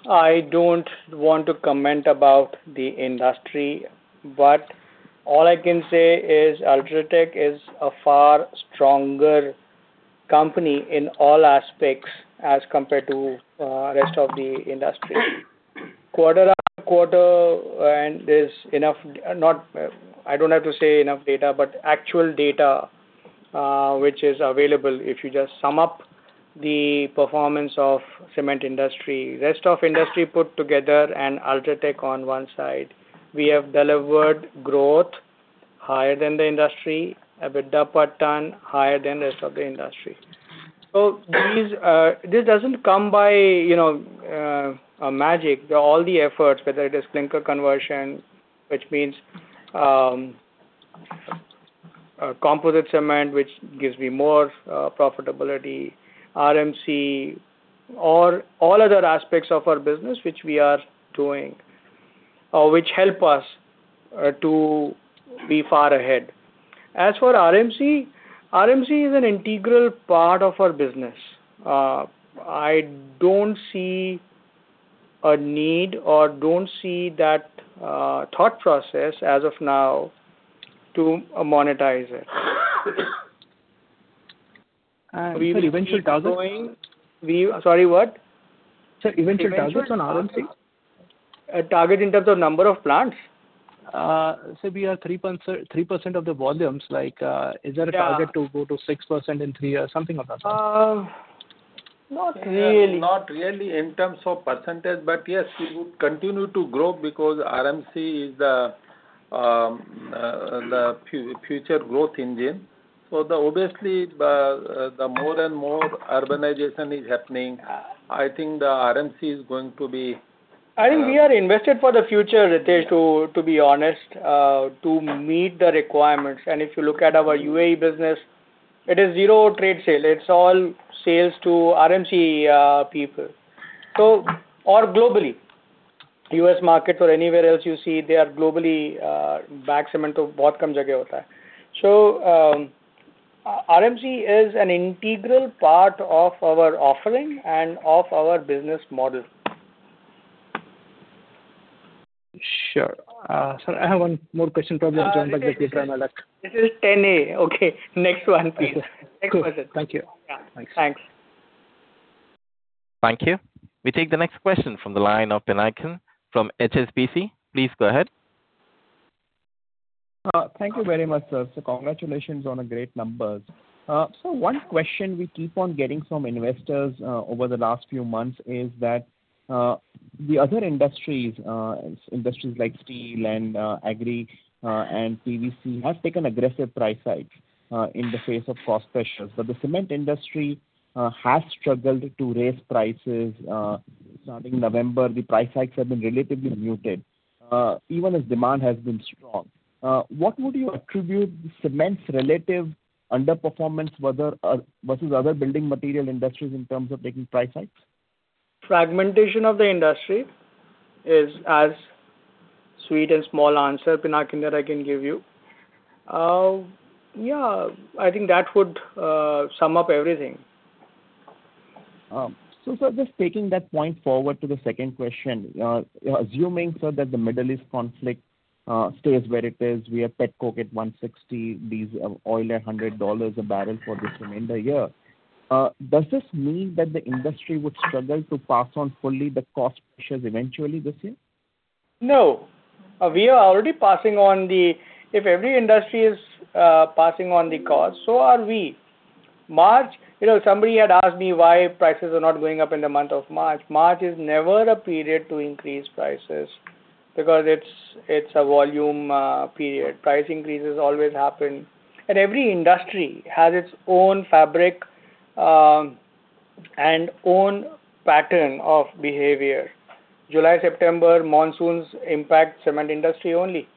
I don't want to comment about the industry, but all I can say is UltraTech is a far stronger company in all aspects as compared to rest of the industry. Quarter after quarter is enough. I don't have to say enough data, but actual data which is available. If you just sum up the performance of cement industry, rest of industry put together and UltraTech on one side. We have delivered growth higher than the industry, EBITDA per ton higher than rest of the industry. This doesn't come by, you know, magic. All the efforts, whether it is clinker conversion, which means, composite cement, which gives me more, profitability, RMC or all other aspects of our business which we are doing, which help us, to be far ahead. As for RMC is an integral part of our business. I don't see a need or don't see that, thought process as of now to monetize it. Eventual targets. We keep going. Sorry, what? Sir, eventual targets on RMC? Eventual targets? Target in terms of number of plants? We are 3% of the volumes. Like, is there a target to go to 6% in three years? Something of that sort. Not really. Not really in terms of percentage, but yes, we would continue to grow because RMC is the future growth engine. Obviously, the more and more urbanization is happening, I think the RMC is going to be I think we are invested for the future, Ritesh, to be honest, to meet the requirements. If you look at our UAE business, it is zero trade sale. It's all sales to RMC people. Or globally, U.S. market or anywhere else you see they are globally bagged cement. RMC is an integral part of our offering and of our business model. Sure. Sir, I have one more question. Probably I'll turn back to you, try my luck. This is 10 A. Okay. Next one, please. Next question. Thank you. Yeah. Thanks. Thank you. We take the next question from the line of Pinakin from HSBC. Please go ahead. Thank you very much, sir. Congratulations on the great numbers. One question we keep on getting from investors over the last few months is that the other industries like steel and agri and PVC have taken aggressive price hikes in the face of cost pressures. The cement industry has struggled to raise prices. Starting November, the price hikes have been relatively muted even as demand has been strong. What would you attribute the cement's relative underperformance whether versus other building material industries in terms of taking price hikes? Fragmentation of the industry is as short and sweet an answer, Pinakin, that I can give you. Yeah, I think that would sum up everything. Sir, just taking that point forward to the second question. Assuming, sir, that the Middle East conflict stays where it is. We have petcoke at $160, diesel oil at $100 a barrel for the remainder of the year. Does this mean that the industry would struggle to pass on fully the cost pressures eventually this year? No. We are already passing on the cost. If every industry is passing on the cost, so are we. March, you know, somebody had asked me why prices are not going up in the month of March. March is never a period to increase prices because it's a volume period. Price increases always happen. Every industry has its own fabric and own pattern of behavior. July, September monsoons impact cement industry only.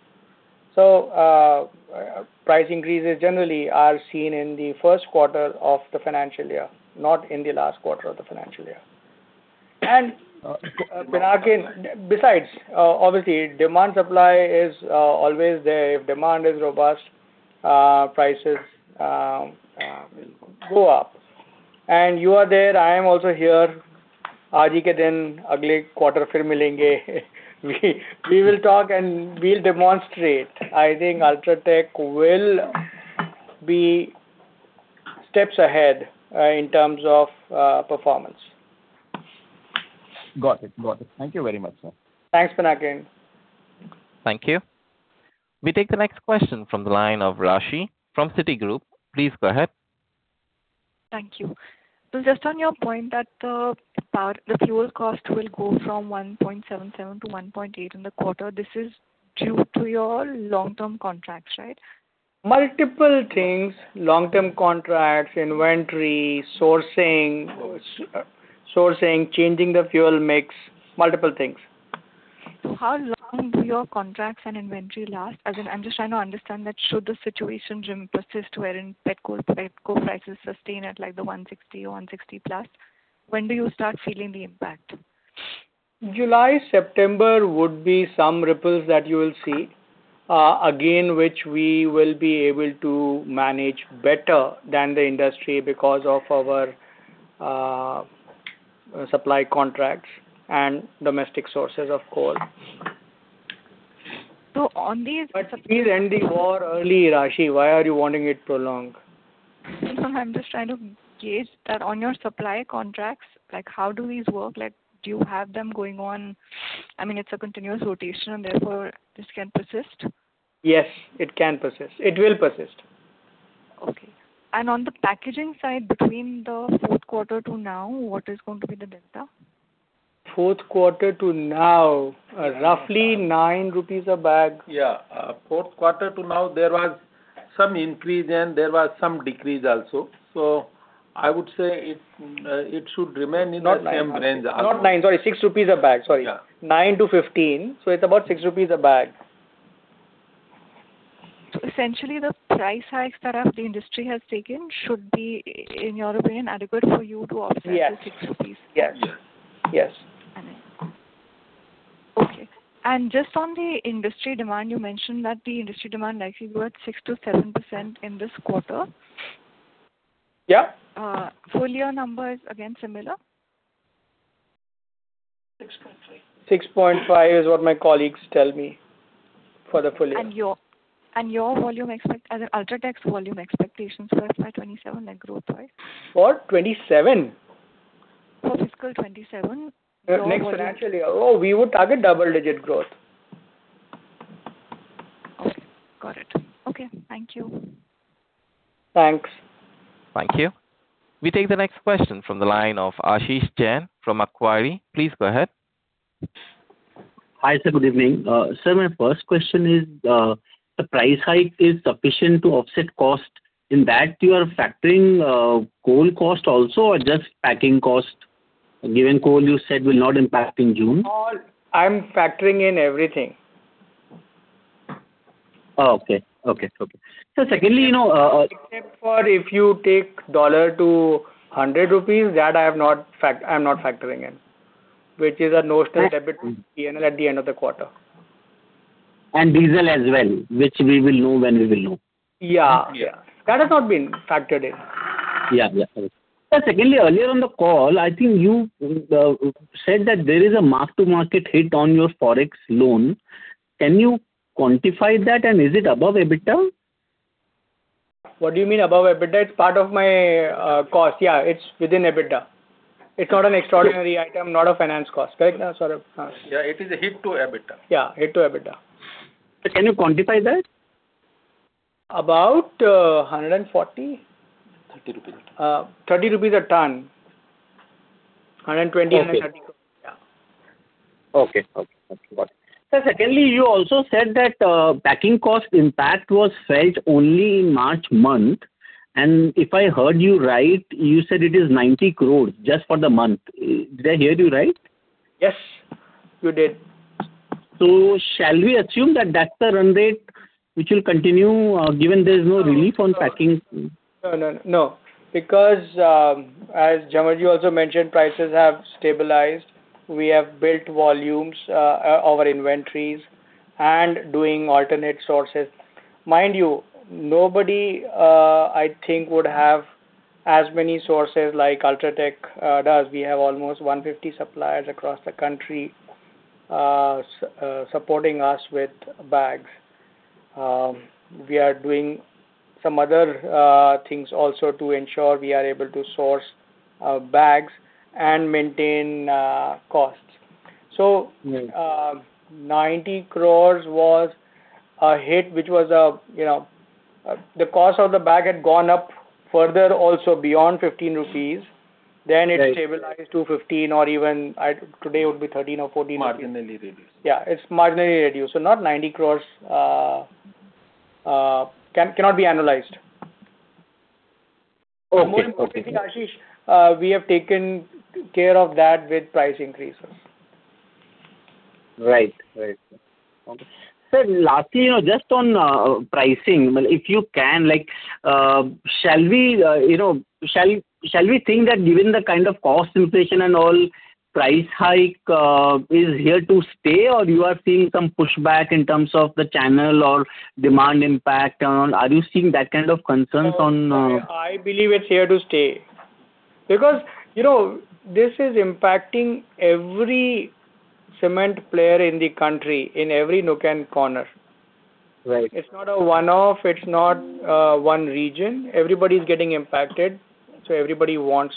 Price increases generally are seen in the first quarter of the financial year, not in the last quarter of the financial year. Pinakin, besides, obviously demand supply is always there. If demand is robust, prices go up. You are there; I am also here. We will talk and we'll demonstrate. I think UltraTech will be steps ahead in terms of performance. Got it. Thank you very much, sir. Thanks, Pinakin. Thank you. We take the next question from the line of Raashi from Citigroup. Please go ahead. Thank you. Just on your point that power, the fuel cost will go from $1.77-$1.8 in the quarter. This is due to your long-term contracts, right? Multiple things. Long-term contracts, inventory, sourcing, changing the fuel mix, multiple things. How long do your contracts and inventory last? As in, I'm just trying to understand that should the situation persist wherein petcoke prices sustain at like the 160 plus, when do you start feeling the impact? July, September would be some ripples that you will see. Again, which we will be able to manage better than the industry because of our supply contracts and domestic sources of coal. So on these- Please end the war early, Raashi. Why are you wanting it to prolong? I'm just trying to gauge that on your supply contracts, like how do this work? Like, do you have them going on? I mean, it's a continuous rotation, and therefore this can persist. Yes, it can persist. It will persist. Okay. On the packaging side, between the fourth quarter to now, what is going to be the delta? Fourth quarter to now, roughly 9 rupees a bag. Fourth quarter to now, there was some increase and there was some decrease also. I would say it should remain in that same range. Not 9. Sorry, 6 rupees a bag. Sorry. Yeah. 9-15, so it's about 6 rupees a bag. Essentially the price hikes that the industry has taken should be, in your opinion, adequate for you to offset? Yes. the 6. Yes. Yes. Okay. Just on the industry demand, you mentioned that the industry demand likely grew at 6%-7% in this quarter. Yeah. Full year numbers, again, similar? 6.5. 6.5% is what my colleagues tell me for the full year. Your volume expectations for UltraTech for FY 2027, like growth-wise? For 2027? For FY 2027. Next financial year. Oh, we would target double-digit growth. Okay. Thank you. Thanks. Thank you. We take the next question from the line of Ashish Jain from Macquarie. Please go ahead. Hi, sir. Good evening. Sir, my first question is, the price hike is sufficient to offset cost. In that you are factoring, coal cost also or just packing cost. Given coal you said will not impact in June. I'm factoring in everything. Oh, okay. Secondly, you know, Except for if you take $ to 100 INR, that I have not, I'm not factoring in, which is a non-stop debit to P&L at the end of the quarter. Diesel as well, which we will know when we will know. Yeah. That has not been factored in. Yeah. Sir, secondly, earlier on the call, I think you said that there is a mark-to-market hit on your Forex loan. Can you quantify that, and is it above EBITDA? What do you mean above EBITDA? It's part of my cost. Yeah, it's within EBITDA. It's not an extraordinary item, not a finance cost. Correct, Saurabh? Yeah, it is a hit to EBITDA. Yeah, hit to EBITDA. Can you quantify that? About 140. 30 rupees. 30 rupees a ton. 120-130. Okay. Yeah. Okay. Got it. Sir, secondly, you also said that, packing cost impact was felt only in March month. If I heard you right, you said it is 90 crore just for the month. Did I hear you right? Yes, you did. Shall we assume that that's the run rate which will continue, given there is no relief on packing? No. Bec`ause, as Jamal ji also mentioned, prices have stabilized. We have built volumes, our inventories and doing alternate sources. Mind you, nobody, I think would have as many sources like UltraTech does. We have almost 150 suppliers across the country, supporting us with bags. We are doing some other things also to ensure we are able to source bags and maintain costs. So, Mm-hmm. 90 crore was a hit, which was, you know, the cost of the bag had gone up further also beyond 15 rupees. Right. It stabilized to 15 or even today would be 13 or 14. Marginally reduced. Yeah, it's marginally reduced. Not 90 crores cannot be annualized. Okay. Okay. More importantly, Ashish, we have taken care of that with price increases. Right. Okay. Sir, lastly, you know, just on pricing, if you can, like, shall we, you know, shall we think that given the kind of cost inflation and all, price hike is here to stay, or you are seeing some pushback in terms of the channel or demand impact and all? Are you seeing that kind of concerns on- I believe it's here to stay. Because, you know, this is impacting every cement player in the country in every nook and corner. Right. It's not a one-off. It's not one region. Everybody's getting impacted, so everybody wants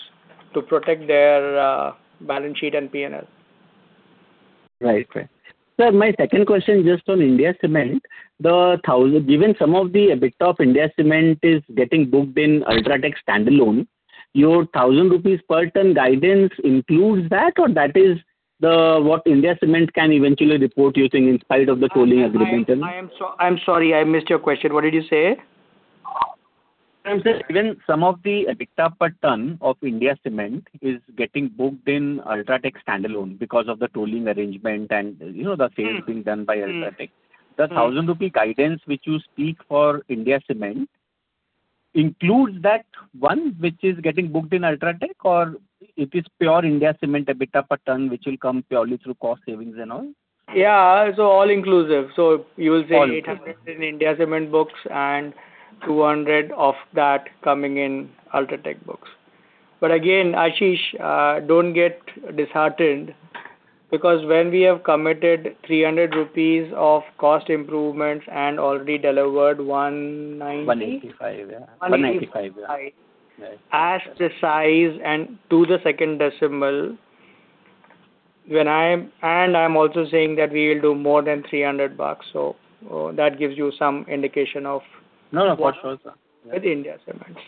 to protect their balance sheet and P&L. Right. Sir, my second question just on India Cements. Given some of the EBITDA of India Cements is getting booked in UltraTech standalone, your 1,000 rupees per ton guidance includes that, or that is the, what India Cements can eventually report, you think, in spite of the tolling agreement and- I'm sorry, I missed your question. What did you say? Sir, given some of the EBITDA per ton of The India Cements is getting booked in UltraTech standalone because of the tolling arrangement and, you know, the sales being done by UltraTech. Mm-hmm. Mm-hmm. The 1,000 rupee guidance which you speak for India Cements includes that one which is getting booked in UltraTech or it is pure India Cements EBITDA per ton, which will come purely through cost savings and all? Yeah. All inclusive. You will say- All inclusive. 800 in India Cements books and 200 of that coming in UltraTech books. Again, Ashish, don't get disheartened because when we have committed 300 rupees of cost improvements and already delivered 190- 185, yeah. 185. As the size and to the second decimal, and I'm also saying that we will do more than 300 bucks. That gives you some indication of- No, no, for sure, sir. With The India Cements.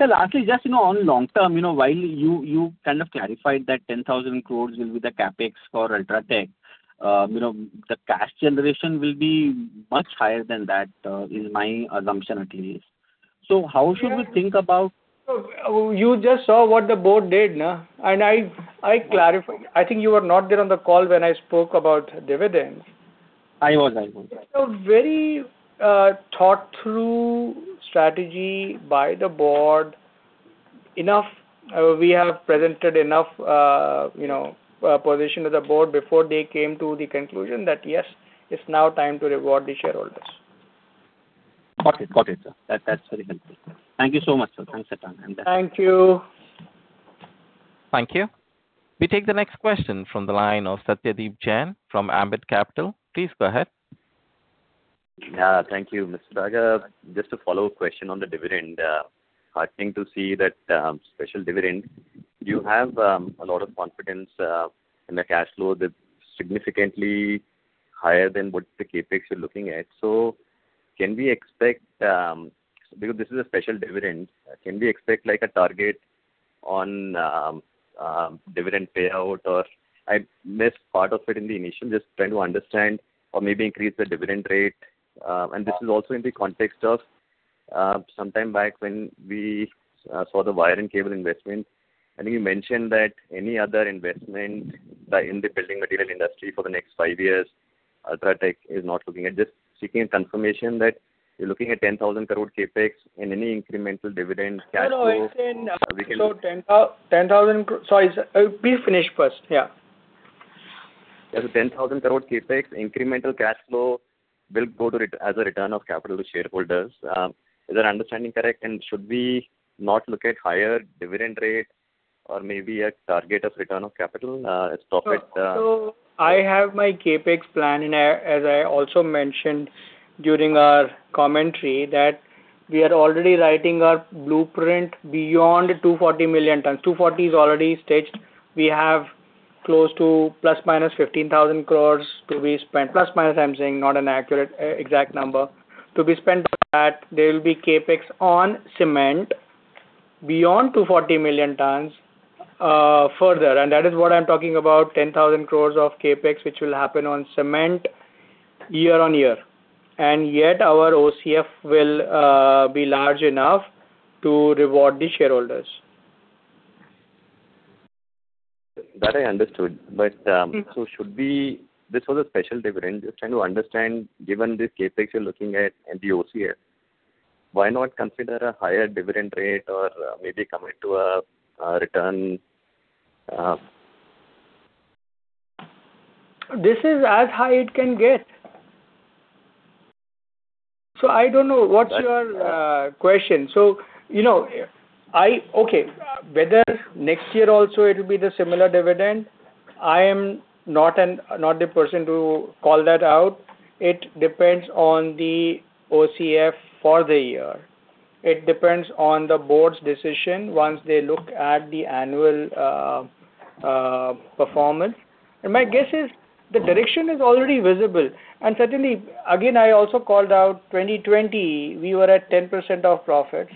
Lastly, just, you know, on long term, you know, while you kind of clarified that 10,000 crore will be the CapEx for UltraTech, you know, the cash generation will be much higher than that, is my assumption at least. How should we think about? You just saw what the board did, no? I clarified. I think you were not there on the call when I spoke about dividends. I was. It's a very thought through strategy by the board. We have presented enough, you know, position to the board before they came to the conclusion that, yes, it's now time to reward the shareholders. Got it. Got it, sir. That, that's very helpful. Thank you so much, sir. Thanks a ton. I'm done. Thank you. Thank you. We take the next question from the line of Satyadeep Jain from Ambit Capital. Please go ahead. Yeah. Thank you, Mr. Ladsaria. Just a follow-up question on the dividend. Heartening to see that special dividend. You have a lot of confidence in the cash flow that's significantly higher than what the CapEx you're looking at. Because this is a special dividend, can we expect like a target on dividend payout? Or I missed part of it in the initial. Just trying to understand or maybe increase the dividend rate. This is also in the context of sometime back when we saw the wire and cable investment. I think you mentioned that any other investment in the building material industry for the next five years, UltraTech is not looking at. Just seeking a confirmation that you're looking at 10,000 crore CapEx and any incremental dividend cash flow. No, no, I said. Are we looking- 10,000. Sorry, please finish first. Yeah. There's 10,000 crore CapEx incremental cash flow will go to as a return of capital to shareholders. Is that understanding correct? Should we not look at higher dividend rate or maybe a target of return of capital, as topic? I have my CapEx plan, and as I also mentioned during our commentary that we are already writing our blueprint beyond 240 million tons. 240 is already staged. We have close to ±15,000 crores to be spent. Plus, minus, I'm saying, not an accurate, exact number to be spent that there will be CapEx on cement beyond 240 million tons, further. That is what I'm talking about, 10,000 crores of CapEx, which will happen on cement year on year. Yet our OCF will be large enough to reward the shareholders. That I understood. This was a special dividend. Just trying to understand, given this CapEx you're looking at and the OCF, why not consider a higher dividend rate or maybe commit to a return. This is as high as it can get. I don't know what's your question. You know, okay. Whether next year also it'll be the similar dividend, I am not the person to call that out. It depends on the OCF for the year. It depends on the board's decision once they look at the annual performance. My guess is the direction is already visible. Certainly, again, I also called out 2020 we were at 10% of profits.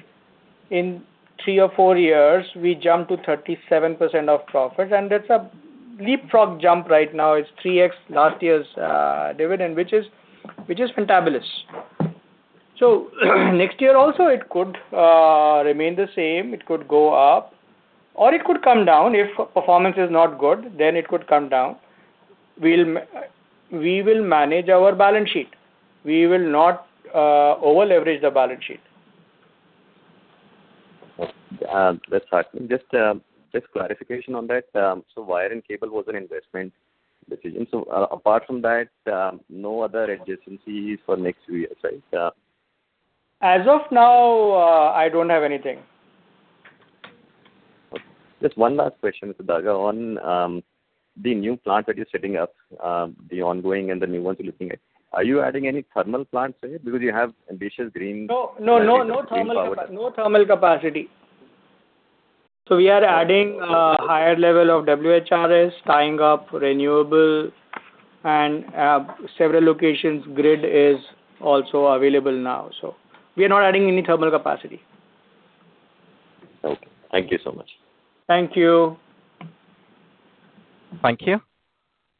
In three or four years we jumped to 37% of profits, and that's a leapfrog jump right now. It's 3x last year's dividend, which is fantabulous. Next year also it could remain the same, it could go up, or it could come down. If performance is not good, it could come down. We will manage our balance sheet. We will not over-leverage the balance sheet. Okay. That's heartening. Just clarification on that. Wire and cable were an investment decision. Apart from that, no other adjacencies for next few years, right? As of now, I don't have anything. Okay. Just one last question, Mr. Daga. On the new plant that you're setting up, the ongoing and the new ones you're looking at, are you adding any thermal plants in it? Because you have ambitious green- No, no thermal Green power. No thermal capacity. We are adding a higher level of WHRS, tying up renewable and several locations grid is also available now. We are not adding any thermal capacity. Okay. Thank you so much. Thank you. Thank you.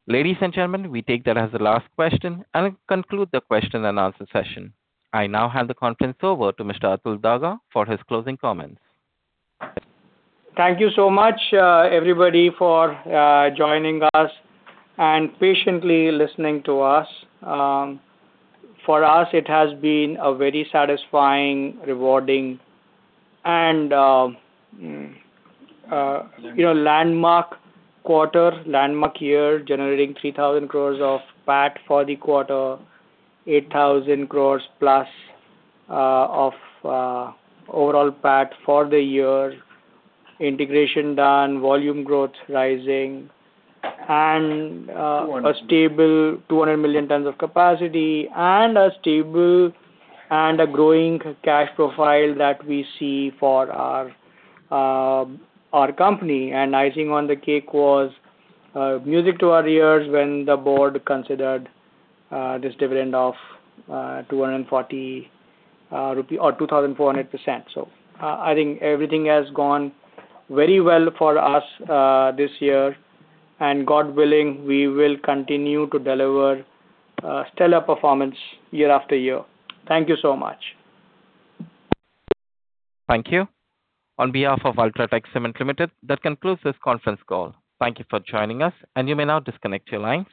Ladies and gentlemen, we take that as the last question and conclude the question-and-answer session. I now hand the conference over to Mr. Atul Daga for his closing comments. Thank you so much, everybody for joining us and patiently listening to us. For us, it has been a very satisfying, rewarding and, you know, landmark quarter, landmark year, generating 3,000 crores of PAT for the quarter, 8,000 crores plus of overall PAT for the year. Integration done, volume growth rising, and 200. A stable 200 million tons of capacity and a stable and a growing cash profile that we see for our company. Icing on the cake was music to our ears when the board considered this dividend of 240 rupee, or 2,400%. I think everything has gone very well for us this year, and God willing, we will continue to deliver stellar performance year after year. Thank you so much. Thank you. On behalf of UltraTech Cement Limited, that concludes this conference call. Thank you for joining us, and you may now disconnect your lines.